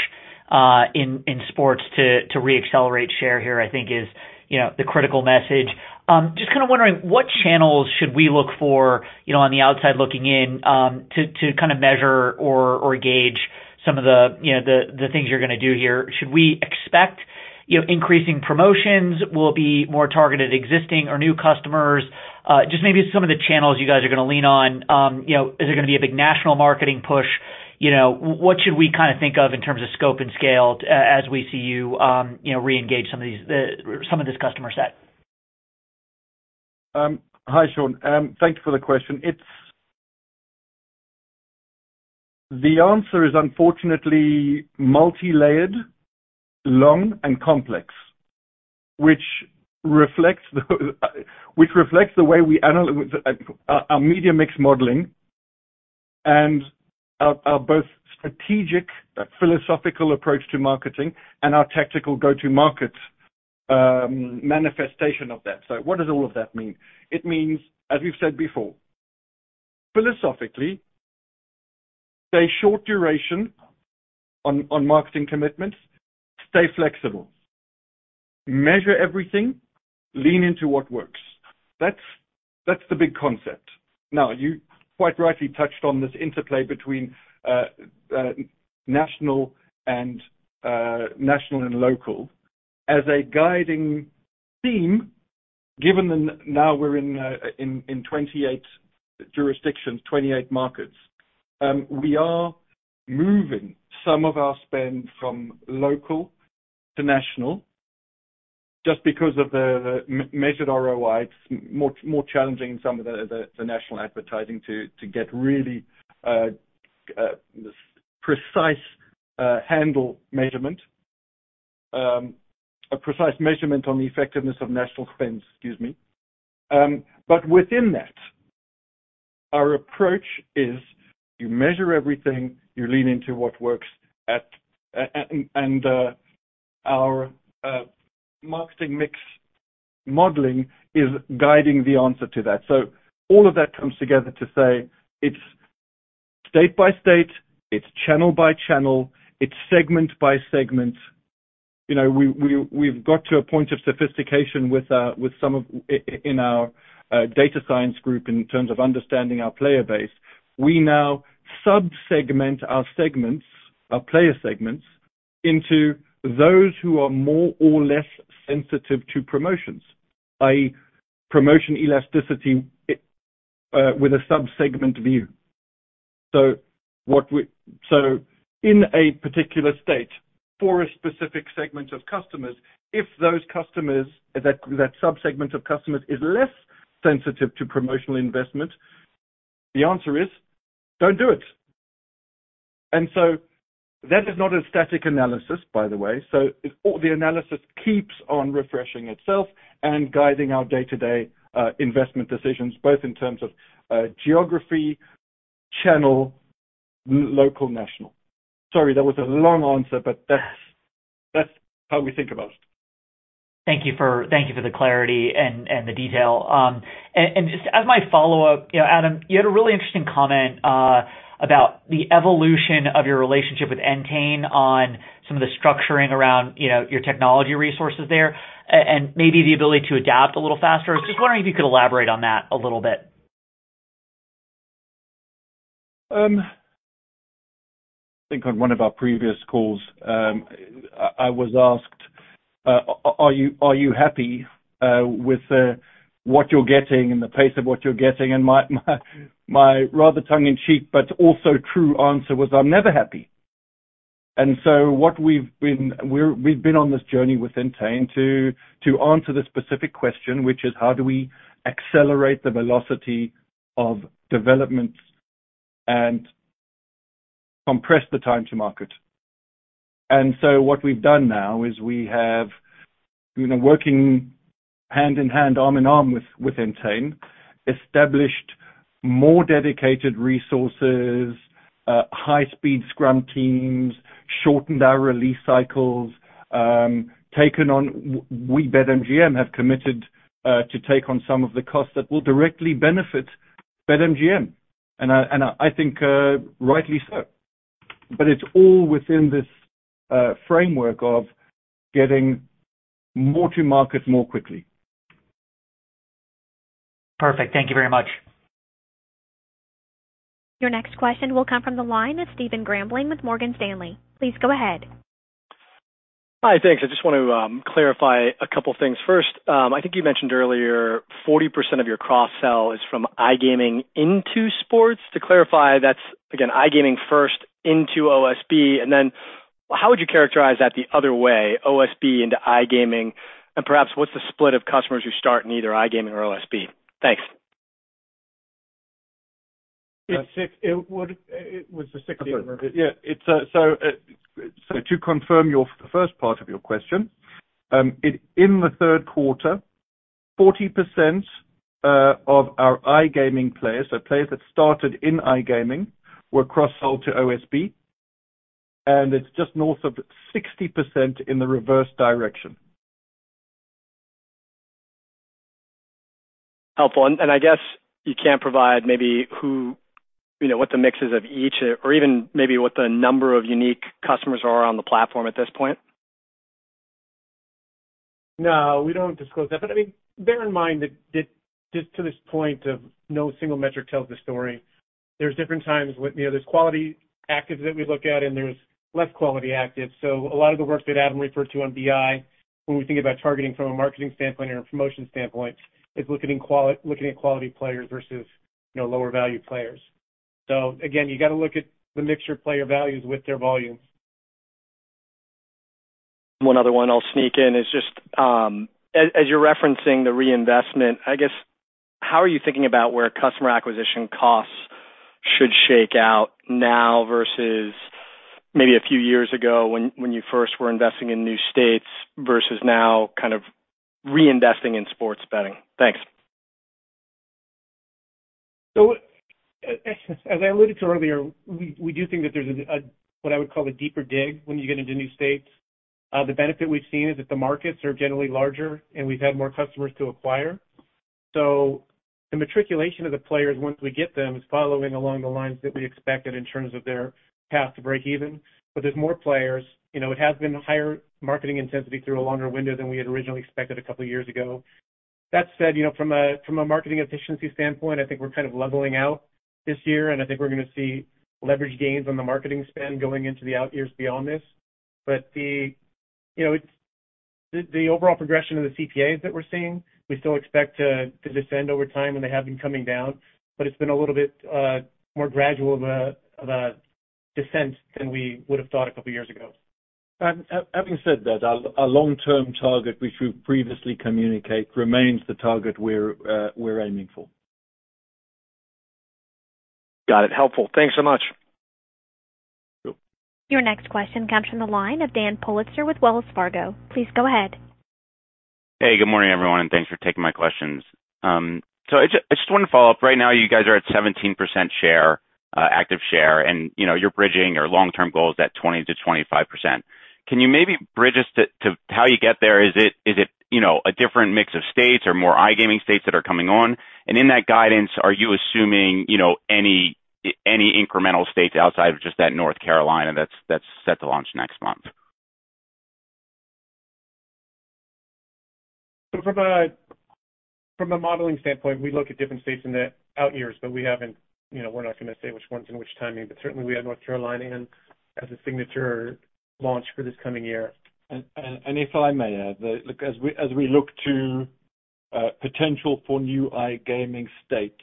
in sports to reaccelerate share here, I think is, you know, the critical message. Just kind of wondering, what channels should we look for, you know, on the outside looking in, to kind of measure or gauge some of the, you know, the things you're gonna do here? Should we expect, you know, increasing promotions? Will it be more targeted, existing or new customers? Just maybe some of the channels you guys are gonna lean on. You know, is it gonna be a big national marketing push? You know, what should we kind of think of in terms of scope and scale as we see you, you know, reengage some of these, some of this customer set? Hi, Shaun. Thank you for the question. It's the answer is unfortunately multilayered, long, and complex, which reflects the way we analyze our media mix modeling and our both strategic, philosophical approach to marketing and our tactical go-to-market manifestation of that. So what does all of that mean? It means, as we've said before, philosophically, stay short duration on marketing commitments, stay flexible, measure everything, lean into what works. That's the big concept. Now, you quite rightly touched on this interplay between national and local. As a guiding theme, given that now we're in 28 jurisdictions, 28 markets, we are moving some of our spend from local to national just because of the measured ROI. It's more challenging in some of the national advertising to get really precise handle measurement, a precise measurement on the effectiveness of national spend. Excuse me. But within that, our approach is you measure everything, you lean into what works and our marketing mix modeling is guiding the answer to that. So all of that comes together to say it's state by state, it's channel by channel, it's segment by segment. You know, we've got to a point of sophistication with some of it in our data science group in terms of understanding our player base. We now subsegment our segments, our player segments, into those who are more or less sensitive to promotions, by promotion elasticity, with a subsegment view. So in a particular state, for a specific segment of customers, if those customers, that subsegment of customers is less sensitive to promotional investment, the answer is, don't do it. And so that is not a static analysis, by the way. So it all, the analysis keeps on refreshing itself and guiding our day-to-day investment decisions, both in terms of geography, channel, local, national. Sorry, that was a long answer, but that's how we think about it. Thank you for the clarity and the detail. Just as my follow-up, you know, Adam, you had a really interesting comment about the evolution of your relationship with Entain on some of the structuring around, you know, your technology resources there and maybe the ability to adapt a little faster. I was just wondering if you could elaborate on that a little bit? I think on one of our previous calls, I was asked, are you happy with what you're getting and the pace of what you're getting? And my rather tongue-in-cheek, but also true answer was, "I'm never happy." And so we've been on this journey with Entain to answer the specific question, which is: How do we accelerate the velocity of development and compress the time to market? And so what we've done now is we have been working hand in hand, arm in arm with Entain, established more dedicated resources, high-speed scrum teams, shortened our release cycles, taken on. We, BetMGM, have committed to take on some of the costs that will directly benefit BetMGM, and I think, rightly so. But it's all within this framework of getting more to market more quickly. Perfect. Thank you very much. Your next question will come from the line of Stephen Grambling with Morgan Stanley. Please go ahead. Hi. Thanks. I just want to clarify a couple things. First, I think you mentioned earlier, 40% of your cross-sell is from iGaming into sports. To clarify, that's again, iGaming first into OSB, and then how would you characterize that the other way, OSB into iGaming? And perhaps, what's the split of customers who start in either iGaming or OSB? Thanks. It's 6. It was the 60. Yeah, it's so to confirm your, the first part of your question, in the third quarter, 40% of our iGaming players, so players that started in iGaming, were cross-sold to OSB, and it's just north of 60% in the reverse direction. Helpful. I guess you can't provide maybe who, you know, what the mix is of each, or even maybe what the number of unique customers are on the platform at this point? No, we don't disclose that. But, I mean, bear in mind that just to this point, no single metric tells the story. There's different times with, you know, there's quality actives that we look at, and there's less quality actives. So a lot of the work that Adam referred to on BI, when we think about targeting from a marketing standpoint or a promotion standpoint, is looking at quality players versus, you know, lower-value players. So again, you got to look at the mixture of player values with their volumes. One other one I'll sneak in is just, as you're referencing the reinvestment, I guess, how are you thinking about where customer acquisition costs should shake out now versus maybe a few years ago when you first were investing in new states, versus now kind of reinvesting in sports betting? Thanks. So, as I alluded to earlier, we do think that there's a what I would call a deeper dig when you get into new states. The benefit we've seen is that the markets are generally larger, and we've had more customers to acquire. So the matriculation of the players, once we get them, is following along the lines that we expected in terms of their path to break even. But there's more players. You know, it has been higher marketing intensity through a longer window than we had originally expected a couple of years ago. That said, you know, from a marketing efficiency standpoint, I think we're kind of leveling out this year, and I think we're gonna see leverage gains on the marketing spend going into the out years beyond this. But you know, it's the overall progression of the CPAs that we're seeing. We still expect to descend over time, and they have been coming down, but it's been a little bit more gradual of a descent than we would have thought a couple years ago. Having said that, our long-term target, which we've previously communicate, remains the target we're aiming for. Got it. Helpful. Thanks so much. Cool. Your next question comes from the line of Dan Politzer with Wells Fargo. Please go ahead. Hey, good morning, everyone, and thanks for taking my questions. So I just want to follow up. Right now, you guys are at 17% share, active share, and, you know, you're bridging your long-term goals at 20%-25%. Can you maybe bridge us to how you get there? Is it, you know, a different mix of states or more iGaming states that are coming on? And in that guidance, are you assuming, you know, any incremental states outside of just that North Carolina that's set to launch next month? So from a modeling standpoint, we look at different states in the out years, but we haven't, you know, we're not gonna say which ones and which timing, but certainly we have North Carolina in as a signature launch for this coming year. If I may add, look, as we look to potential for new iGaming states,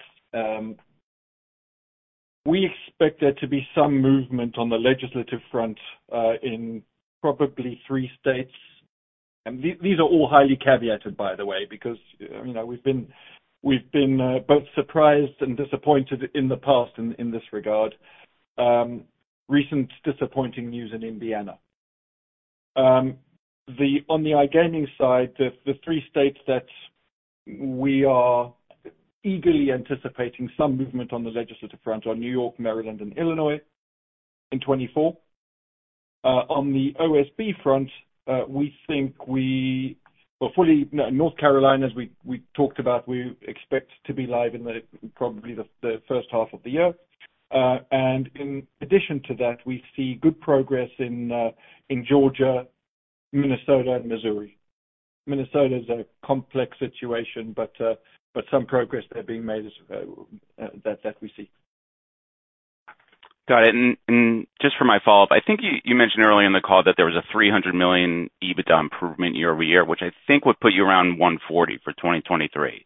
we expect there to be some movement on the legislative front in probably three states. These are all highly caveated, by the way, because, you know, we've been both surprised and disappointed in the past in this regard. Recent disappointing news in Indiana. On the iGaming side, the three states that we are eagerly anticipating some movement on the legislative front are New York, Maryland, and Illinois in 2024. On the OSB front, we think, well, fully North Carolina, as we talked about, we expect to be live in probably the first half of the year. And in addition to that, we see good progress in Georgia, Minnesota, and Missouri. Minnesota is a complex situation, but some progress there being made, that we see. Got it. And just for my follow-up, I think you mentioned earlier in the call that there was a $300 million EBITDA improvement year-over-year, which I think would put you around $140 million for 2023.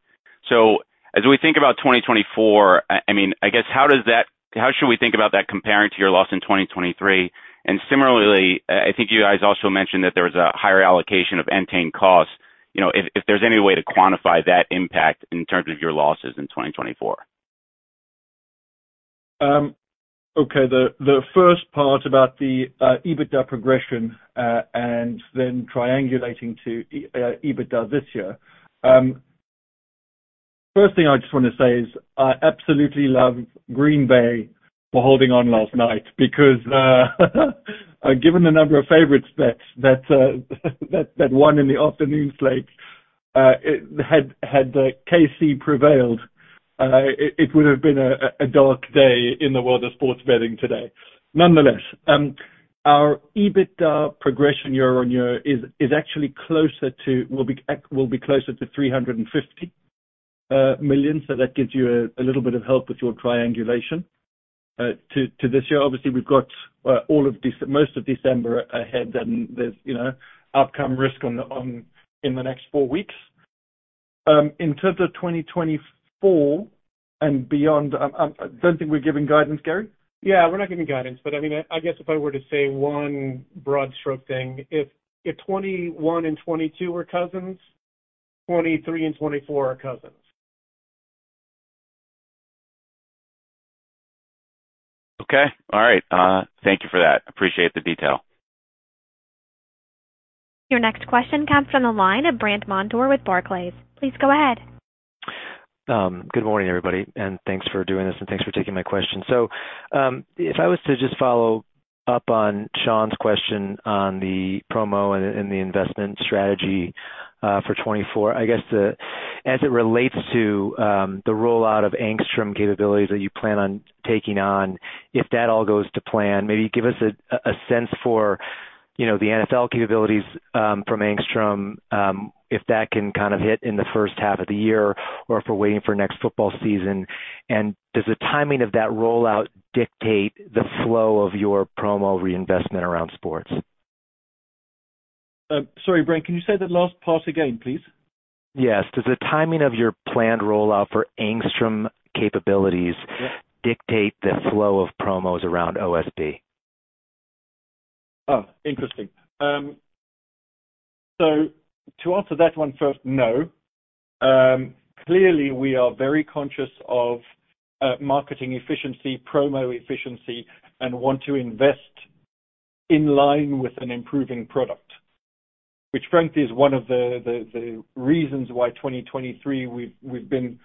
So as we think about 2024, I mean, I guess how does that—how should we think about that comparing to your loss in 2023? And similarly, I think you guys also mentioned that there was a higher allocation of entertainment costs. You know, if there's any way to quantify that impact in terms of your losses in 2024? Okay, the first part about the EBITDA progression, and then triangulating to EBITDA this year. First thing I just want to say is, I absolutely love Green Bay for holding on last night because, given the number of favorite bets that won in the afternoon slate, if KC had prevailed, it would have been a dark day in the world of sports betting today. Nonetheless, our EBITDA progression year-on-year will be closer to $350 million. So that gives you a little bit of help with your triangulation. To this year, obviously, we've got most of December ahead, and there's, you know, outcome risk in the next four weeks. In terms of 2024 and beyond, I don't think we're giving guidance, Gary? Yeah, we're not giving guidance, but I mean, I guess if I were to say one broad stroke thing, if 2021 and 2022 are cousins, 2023 and 2024 are cousins. Okay. All right. Thank you for that. Appreciate the detail. Your next question comes from the line of Brandt Montour with Barclays. Please go ahead. Good morning, everybody, and thanks for doing this, and thanks for taking my question. So, if I was to just follow up on Shaun's question on the promo and the investment strategy for 2024. I guess, as it relates to the rollout of Angstrom capabilities that you plan on taking on, if that all goes to plan, maybe give us a sense for, you know, the NFL capabilities from Angstrom, if that can kind of hit in the first half of the year or if we're waiting for next football season. And does the timing of that rollout dictate the flow of your promo reinvestment around sports? Sorry, Brandt, can you say the last part again, please? Yes. Does the timing of your planned rollout for Angstrom capabilities- Yeah. dictate the flow of promos around OSB? Oh, interesting. So to answer that one first, no. Clearly, we are very conscious of marketing efficiency, promo efficiency, and want to invest in line with an improving product, which frankly, is one of the reasons why 2023, we've been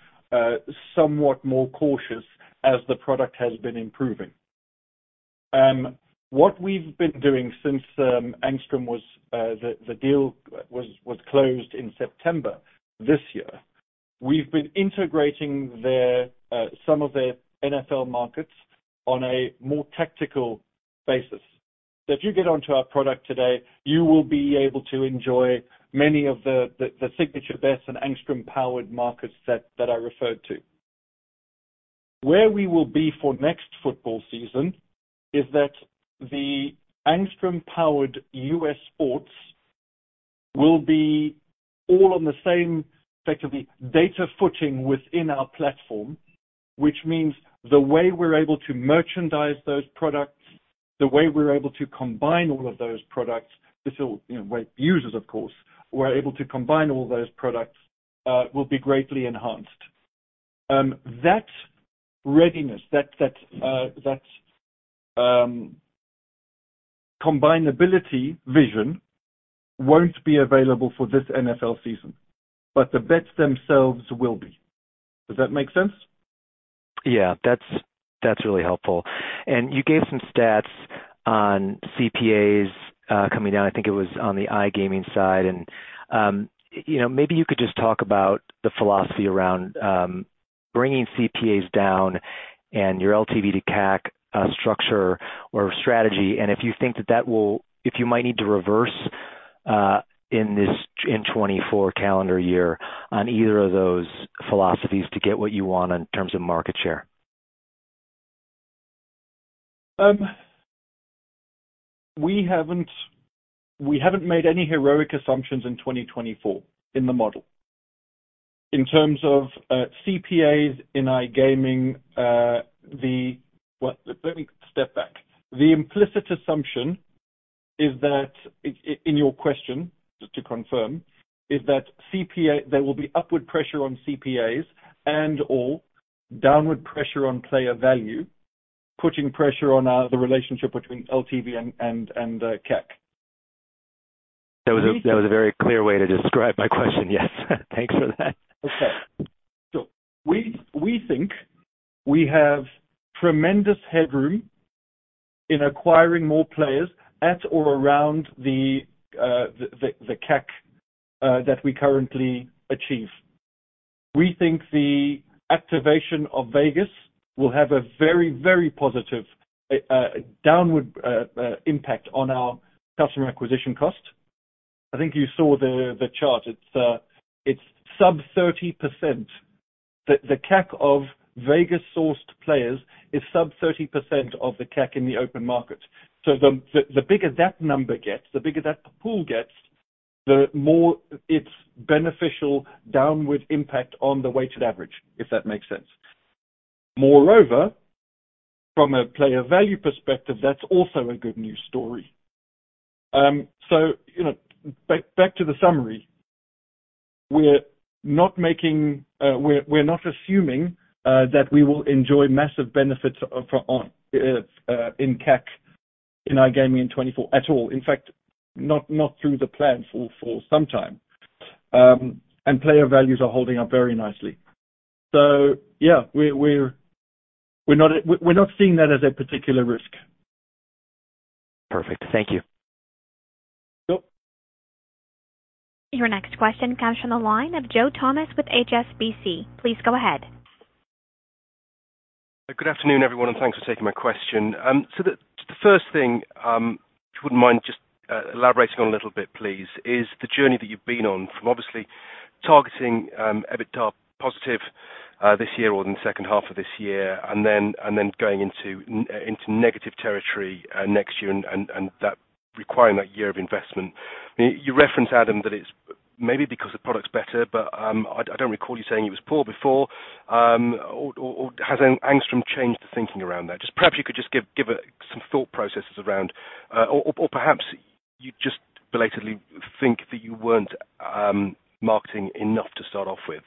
somewhat more cautious as the product has been improving. What we've been doing since Angstrom, the deal was closed in September this year. We've been integrating some of their NFL markets on a more tactical basis. So if you get onto our product today, you will be able to enjoy many of the signature bets and Angstrom-powered markets that I referred to. Where we will be for next football season is that the Angstrom-powered U.S. sports will be all on the same effectively data footing within our platform, which means the way we're able to merchandise those products, the way we're able to combine all of those products, you know, will be greatly enhanced. That readiness, that combinability vision won't be available for this NFL season, but the bets themselves will be. Does that make sense? Yeah, that's, that's really helpful. And you gave some stats on CPAs coming down. I think it was on the iGaming side, and, you know, maybe you could just talk about the philosophy around bringing CPAs down and your LTV to CAC structure or strategy, and if you think that that will... If you might need to reverse in this, in 2024 calendar year on either of those philosophies to get what you want in terms of market share. We haven't made any heroic assumptions in 2024 in the model. In terms of CPAs in iGaming, let me step back. The implicit assumption is that in your question, just to confirm, is that CPA, there will be upward pressure on CPAs and/or downward pressure on player value, putting pressure on the relationship between LTV and CAC. That was, that was a very clear way to describe my question. Yes, thanks for that. Okay. So we think we have tremendous headroom in acquiring more players at or around the CAC that we currently achieve. We think the activation of Vegas will have a very, very positive downward impact on our customer acquisition cost. I think you saw the chart. It's sub-30%. The CAC of Vegas-sourced players is sub-30% of the CAC in the open market. So the bigger that number gets, the bigger that pool gets, the more it's beneficial downward impact on the weighted average, if that makes sense. Moreover, from a player value perspective, that's also a good news story. So, you know, back to the summary, we're not making, we're not assuming that we will enjoy massive benefits on CAC in iGaming in 2024 at all. In fact, not through the plan for some time. Player values are holding up very nicely. So yeah, we're not seeing that as a particular risk. Perfect. Thank you. Yep. Your next question comes from the line of Joe Thomas with HSBC. Please go ahead. Good afternoon, everyone, and thanks for taking my question. So the first thing, if you wouldn't mind just elaborating on a little bit, please, is the journey that you've been on from obviously targeting EBITDA positive this year or in the second half of this year, and then going into negative territory next year and that requiring that year of investment. You referenced, Adam, that it's maybe because the product's better, but I don't recall you saying it was poor before. Or has Angstrom changed the thinking around that? Just perhaps you could just give some thought processes around... or perhaps you just belatedly think that you weren't marketing enough to start off with.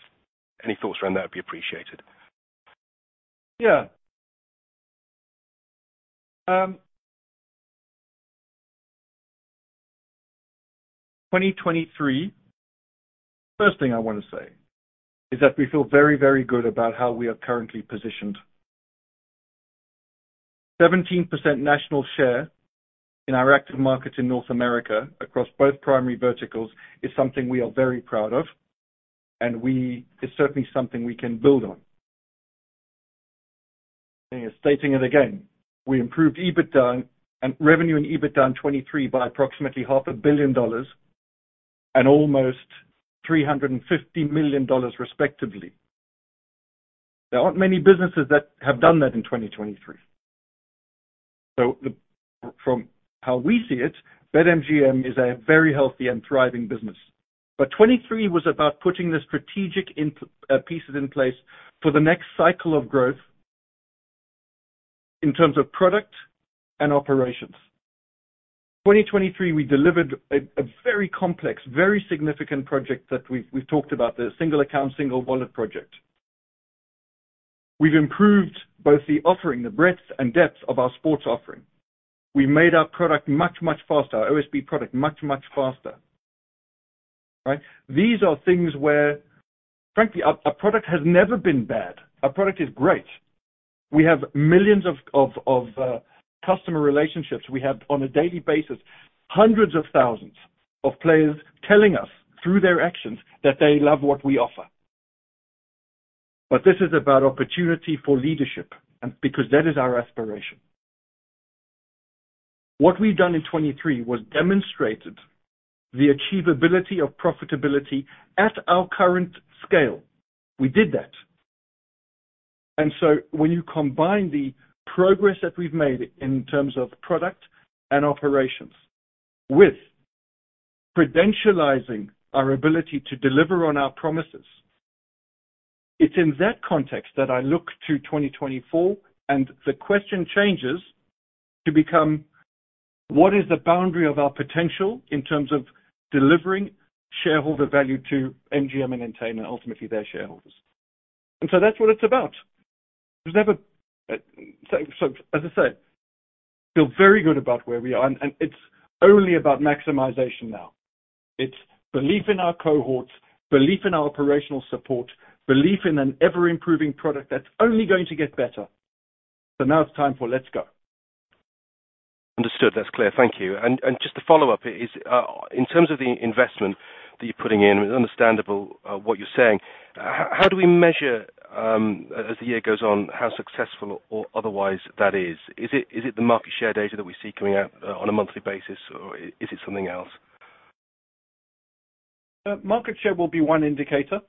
Any thoughts around that would be appreciated. Yeah. 2023. First thing I wanna say is that we feel very, very good about how we are currently positioned. 17% national share in our active markets in North America, across both primary verticals, is something we are very proud of, and we—it's certainly something we can build on. Stating it again, we improved EBITDA and revenue and EBITDA in 2023 by approximately $500 million and almost $350 million, respectively. There aren't many businesses that have done that in 2023. So, from how we see it, BetMGM is a very healthy and thriving business. But 2023 was about putting the strategic in, pieces in place for the next cycle of growth in terms of product and operations. 2023, we delivered a very complex, very significant project that we've talked about, the single wallet project. We've improved both the offering, the breadth and depth of our sports offering. We made our product much, much faster, OSB product, much, much faster, right? These are things where, frankly, our product has never been bad. Our product is great. We have millions of customer relationships. We have, on a daily basis, hundreds of thousands of players telling us through their actions that they love what we offer. But this is about opportunity for leadership and because that is our aspiration. What we've done in 2023 was demonstrated the achievability of profitability at our current scale. We did that. When you combine the progress that we've made in terms of product and operations, with credentializing our ability to deliver on our promises, it's in that context that I look to 2024 and the question changes to become: What is the boundary of our potential in terms of delivering shareholder value to MGM and Entain, and ultimately their shareholders? That's what it's about. There's never, so, so as I said, feel very good about where we are, and, and it's only about maximization now. It's belief in our cohorts, belief in our operational support, belief in an ever-improving product that's only going to get better. Now it's time for let's go. Understood. That's clear. Thank you. And just to follow up is, in terms of the investment that you're putting in, it's understandable, what you're saying. How do we measure, as the year goes on, how successful or otherwise that is? Is it, is it the market share data that we see coming out, on a monthly basis, or is it something else? Market share will be one indicator.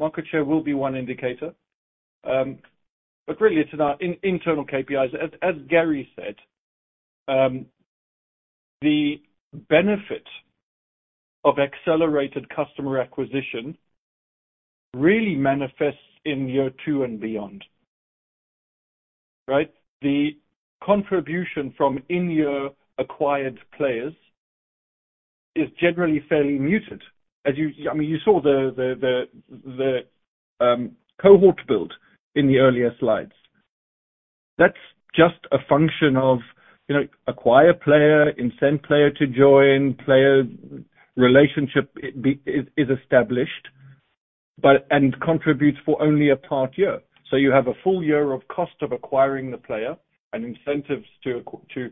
Market share will be one indicator. But really it's about internal KPIs. As Gary said, the benefit of accelerated customer acquisition really manifests in year two and beyond, right? The contribution from in-year acquired players is generally fairly muted. I mean, you saw the cohort build in the earlier slides. That's just a function of, you know, acquire player, incent player to join, player relationship is established, but and contributes for only a part year. So you have a full year of cost of acquiring the player and incentives to acquire to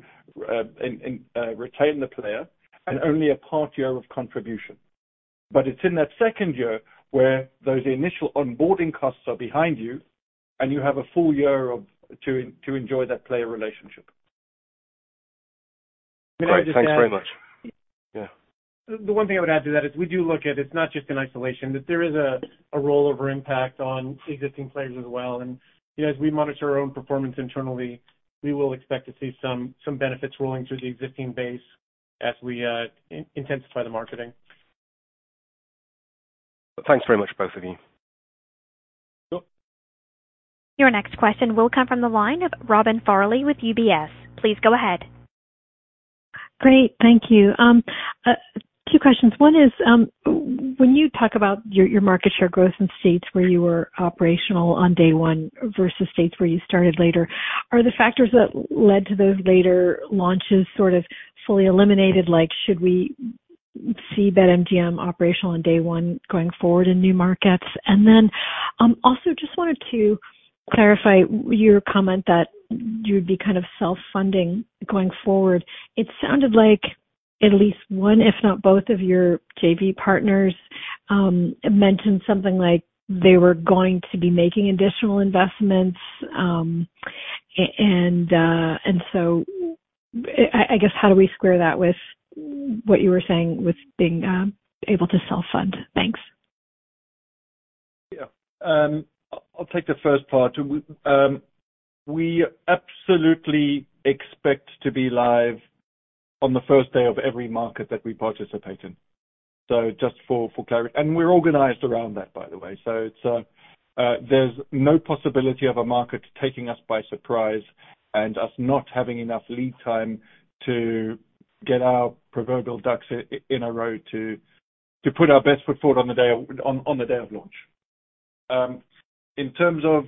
retain the player and only a part year of contribution. But it's in that second year where those initial onboarding costs are behind you, and you have a full year to enjoy that player relationship. Great, thanks very much. Yeah. The one thing I would add to that is we do look at it's not just in isolation, that there is a rollover impact on existing players as well. You know, as we monitor our own performance internally, we will expect to see some benefits rolling through the existing base as we intensify the marketing. Thanks very much, both of you. Sure. Your next question will come from the line of Robin Farley with UBS.. Please go ahead. Great, thank you. Two questions. One is, when you talk about your, your market share growth in states where you were operational on day one versus states where you started later, are the factors that led to those later launches sort of fully eliminated? Like, should we see BetMGM operational on day one going forward in new markets? And then, also just wanted to clarify your comment that you'd be kind of self-funding going forward. It sounded like at least one, if not both, of your JV partners, mentioned something like they were going to be making additional investments. And so I, I guess, how do we square that with what you were saying with being, able to self-fund? Thanks. Yeah. I'll take the first part. We absolutely expect to be live on the first day of every market that we participate in. So just for clarity, and we're organized around that, by the way. So it's, there's no possibility of a market taking us by surprise and us not having enough lead time to get our proverbial ducks in a row to put our best foot forward on the day of launch. In terms of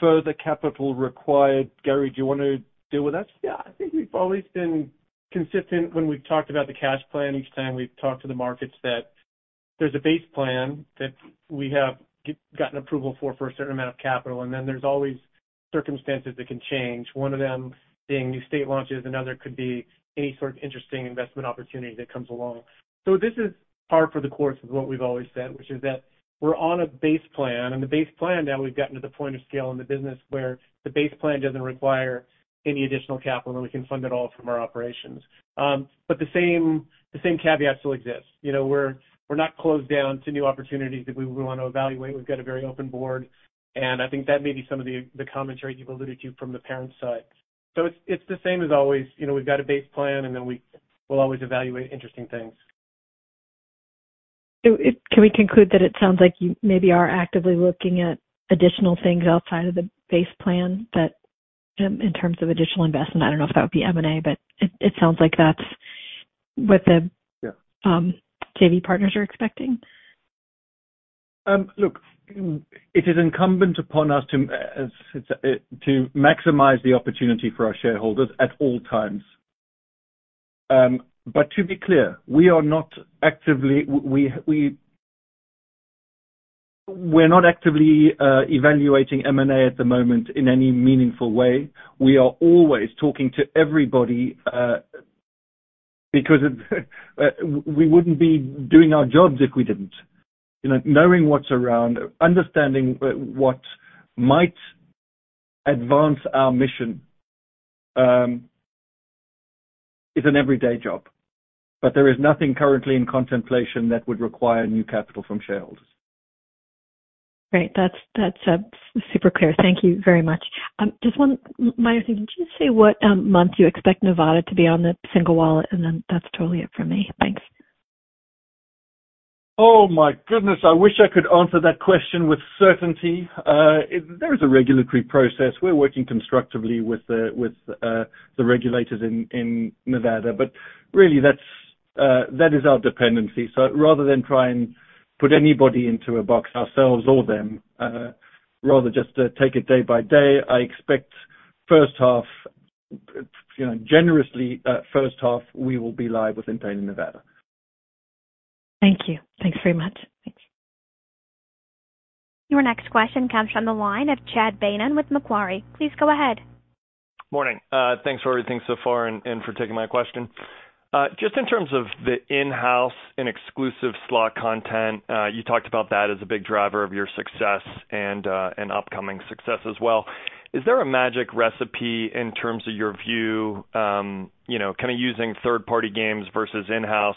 further capital required, Gary, do you want to deal with that? Yeah, I think we've always been consistent when we've talked about the cash plan. Each time we've talked to the markets that there's a base plan that we have gotten approval for, for a certain amount of capital, and then there's always circumstances that can change. One of them being new state launches, another could be any sort of interesting investment opportunity that comes along. So this is par for the course of what we've always said, which is that we're on a base plan, and the base plan, now we've gotten to the point of scale in the business where the base plan doesn't require any additional capital, and we can fund it all from our operations. But the same, the same caveat still exists. You know, we're, we're not closed down to new opportunities that we would want to evaluate. We've got a very open board, and I think that may be some of the commentary you've alluded to from the parent side. So it's the same as always. You know, we've got a base plan, and then we will always evaluate interesting things. So, can we conclude that it sounds like you maybe are actively looking at additional things outside of the base plan that, in terms of additional investment? I don't know if that would be M&A, but it sounds like that's what the- Yeah. JV partners are expecting. Look, it is incumbent upon us to maximize the opportunity for our shareholders at all times. But to be clear, we are not actively—we're not actively evaluating M&A at the moment in any meaningful way. We are always talking to everybody, because we wouldn't be doing our jobs if we didn't. You know, knowing what's around, understanding what might advance our mission, is an everyday job. But there is nothing currently in contemplation that would require new capital from shareholders. Great. That's, that's super clear. Thank you very much. Just one minor thing. Did you say what month you expect Nevada to be on the single wallet? And then that's totally it for me. Thanks. Oh, my goodness! I wish I could answer that question with certainty. There is a regulatory process. We're working constructively with the regulators in Nevada, but really, that is our dependency. So rather than try and put anybody into a box, ourselves or them, rather just take it day by day. I expect first half, you know, generously, first half, we will be live Entain in Nevada. Thank you. Thanks very much. Your next question comes from the line of Chad Beynon with Macquarie. Please go ahead. Morning. Thanks for everything so far and for taking my question. Just in terms of the in-house and exclusive slot content, you talked about that as a big driver of your success and upcoming success as well. Is there a magic recipe in terms of your view, you know, kind of using third-party games versus in-house?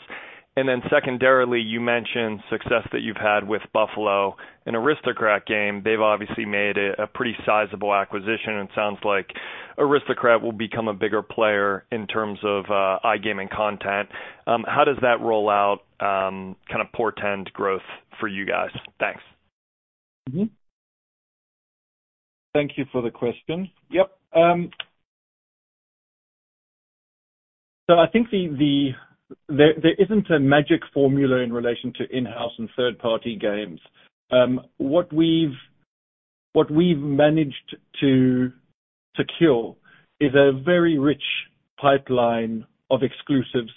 And then secondarily, you mentioned success that you've had with Buffalo, an Aristocrat game. They've obviously made a pretty sizable acquisition, and it sounds like Aristocrat will become a bigger player in terms of iGaming content. How does that roll out, kind of portend growth for you guys? Thanks. Thank you for the question. Yep, I think there isn't a magic formula in relation to in-house and third-party games. What we've managed to secure is a very rich pipeline of exclusives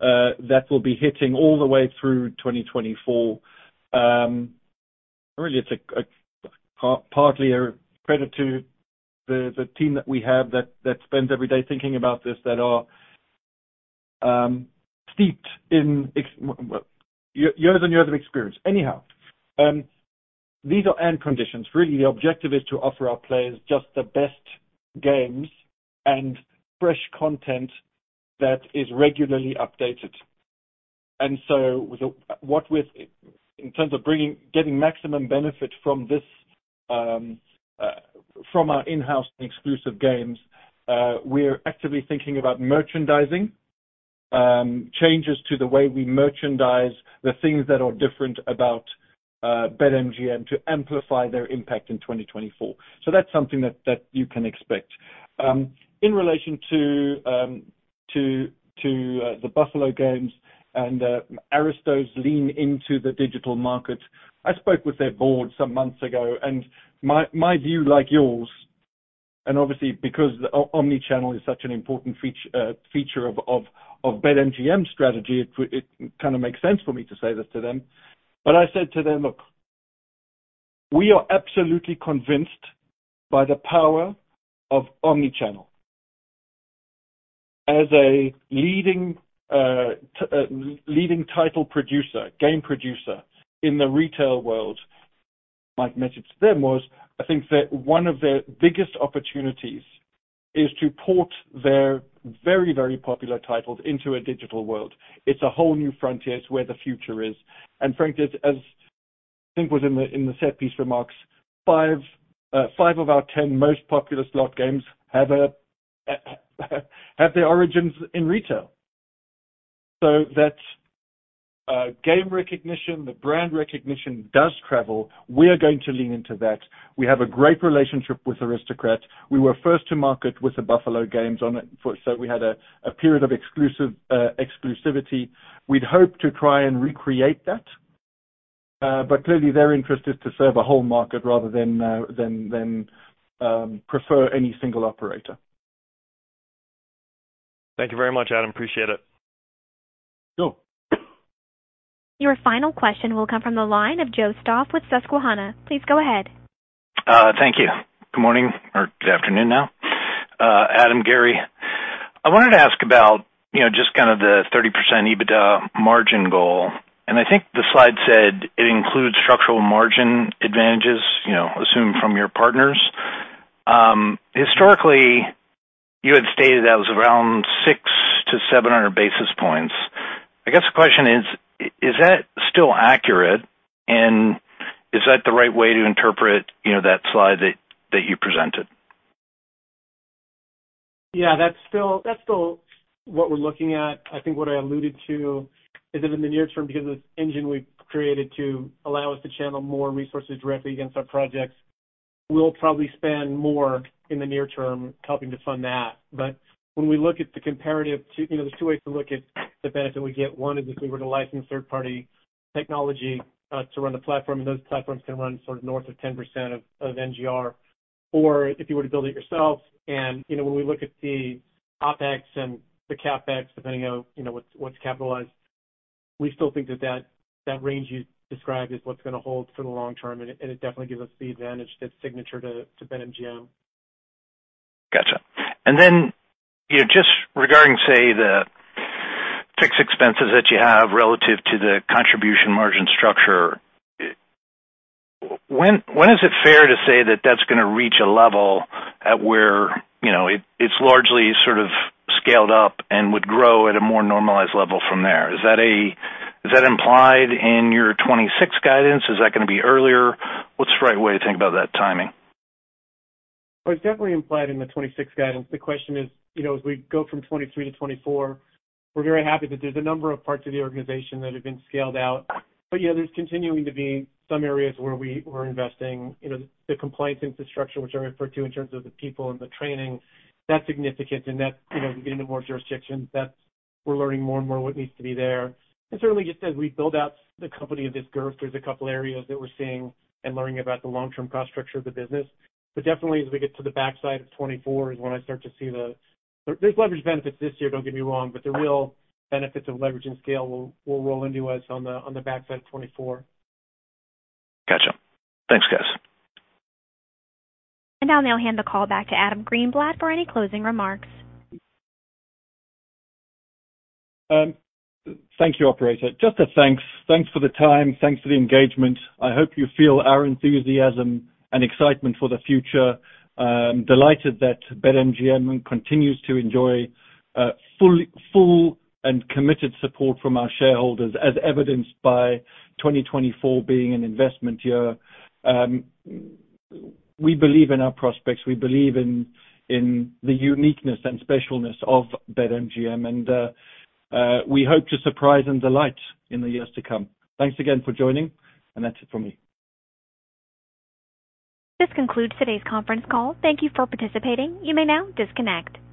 that will be hitting all the way through 2024. Really, it's partly a credit to the team that we have that spends every day thinking about this, that are steeped in years and years of experience. Anyhow, these are end conditions. Really, the objective is to offer our players just the best games and fresh content that is regularly updated. And so the, what with, in terms of bringing, getting maximum benefit from this, from our in-house and exclusive games, we're actively thinking about merchandising, changes to the way we merchandise, the things that are different about, BetMGM, to amplify their impact in 2024. So that's something that you can expect. In relation to the Buffalo games and Aristocrat lean into the digital market. I spoke with their board some months ago, and my view, like yours, and obviously, because omni-channel is such an important feature of BetMGM strategy, it kind of makes sense for me to say this to them. But I said to them: "Look, we are absolutely convinced by the power of omni-channel. As a leading title producer, game producer in the retail world," my message to them was, "I think that one of their biggest opportunities is to port their very, very popular titles into a digital world. It's a whole new frontier. It's where the future is." And frankly, as I think was in the set piece remarks, five of our 10 most popular slot games have their origins in retail. So that game recognition, the brand recognition does travel. We are going to lean into that. We have a great relationship with Aristocrat. We were first to market with the Buffalo Games on it, so we had a period of exclusivity. We'd hope to try and recreate that, but clearly they're interested to serve a whole market rather than prefer any single operator. Thank you very much, Adam. Appreciate it. Sure. Your final question will come from the line of Joe Stauff with Susquehanna. Please go ahead. Thank you. Good morning or good afternoon now. Adam, Gary, I wanted to ask about, you know, just kind of the 30% EBITDA margin goal, and I think the slide said it includes structural margin advantages, you know, assumed from your partners. Historically, you had stated that was around 600-700 basis points. I guess the question is: is that still accurate, and is that the right way to interpret, you know, that slide that you presented? Yeah, that's still, that's still what we're looking at. I think what I alluded to is that in the near term, because of the engine we've created to allow us to channel more resources directly against our projects, we'll probably spend more in the near term helping to fund that. But when we look at the comparative to... You know, there's two ways to look at the benefit we get. One is if we were to license third-party technology to run the platform, and those platforms can run sort of north of 10% of NGR, or if you were to build it yourself. You know, when we look at the OpEx and the CapEx, depending on, you know, what's capitalized, we still think that range you described is what's gonna hold for the long term, and it definitely gives us the advantage that's signature to BetMGM. Gotcha. And then, you know, just regarding, say, the fixed expenses that you have relative to the contribution margin structure, when is it fair to say that that's gonna reach a level at where, you know, it, it's largely sort of scaled up and would grow at a more normalized level from there? Is that is that implied in your 26 guidance? Is that gonna be earlier? What's the right way to think about that timing? Well, it's definitely implied in the 2026 guidance. The question is, you know, as we go from 2023 to 2024, we're very happy that there's a number of parts of the organization that have been scaled out. But yeah, there's continuing to be some areas where we were investing. You know, the compliance infrastructure, which I referred to in terms of the people and the training, that's significant, and that's, you know, getting to more jurisdictions. We're learning more and more what needs to be there. And certainly, just as we build out the company of this growth, there's a couple areas that we're seeing and learning about the long-term cost structure of the business. But definitely as we get to the backside of 2024 is when I start to see the, there's leverage benefits this year, don't get me wrong, but the real benefits of leverage and scale will roll into us on the backside of 2024. Gotcha. Thanks, guys. I'll now hand the call back to Adam Greenblatt for any closing remarks. Thank you, operator. Just a thanks. Thanks for the time. Thanks for the engagement. I hope you feel our enthusiasm and excitement for the future. Delighted that BetMGM continues to enjoy, fully, full and committed support from our shareholders, as evidenced by 2024 being an investment year. We believe in our prospects. We believe in, in the uniqueness and specialness of BetMGM, and, we hope to surprise and delight in the years to come. Thanks again for joining, and that's it for me. This concludes today's conference call. Thank you for participating. You may now disconnect.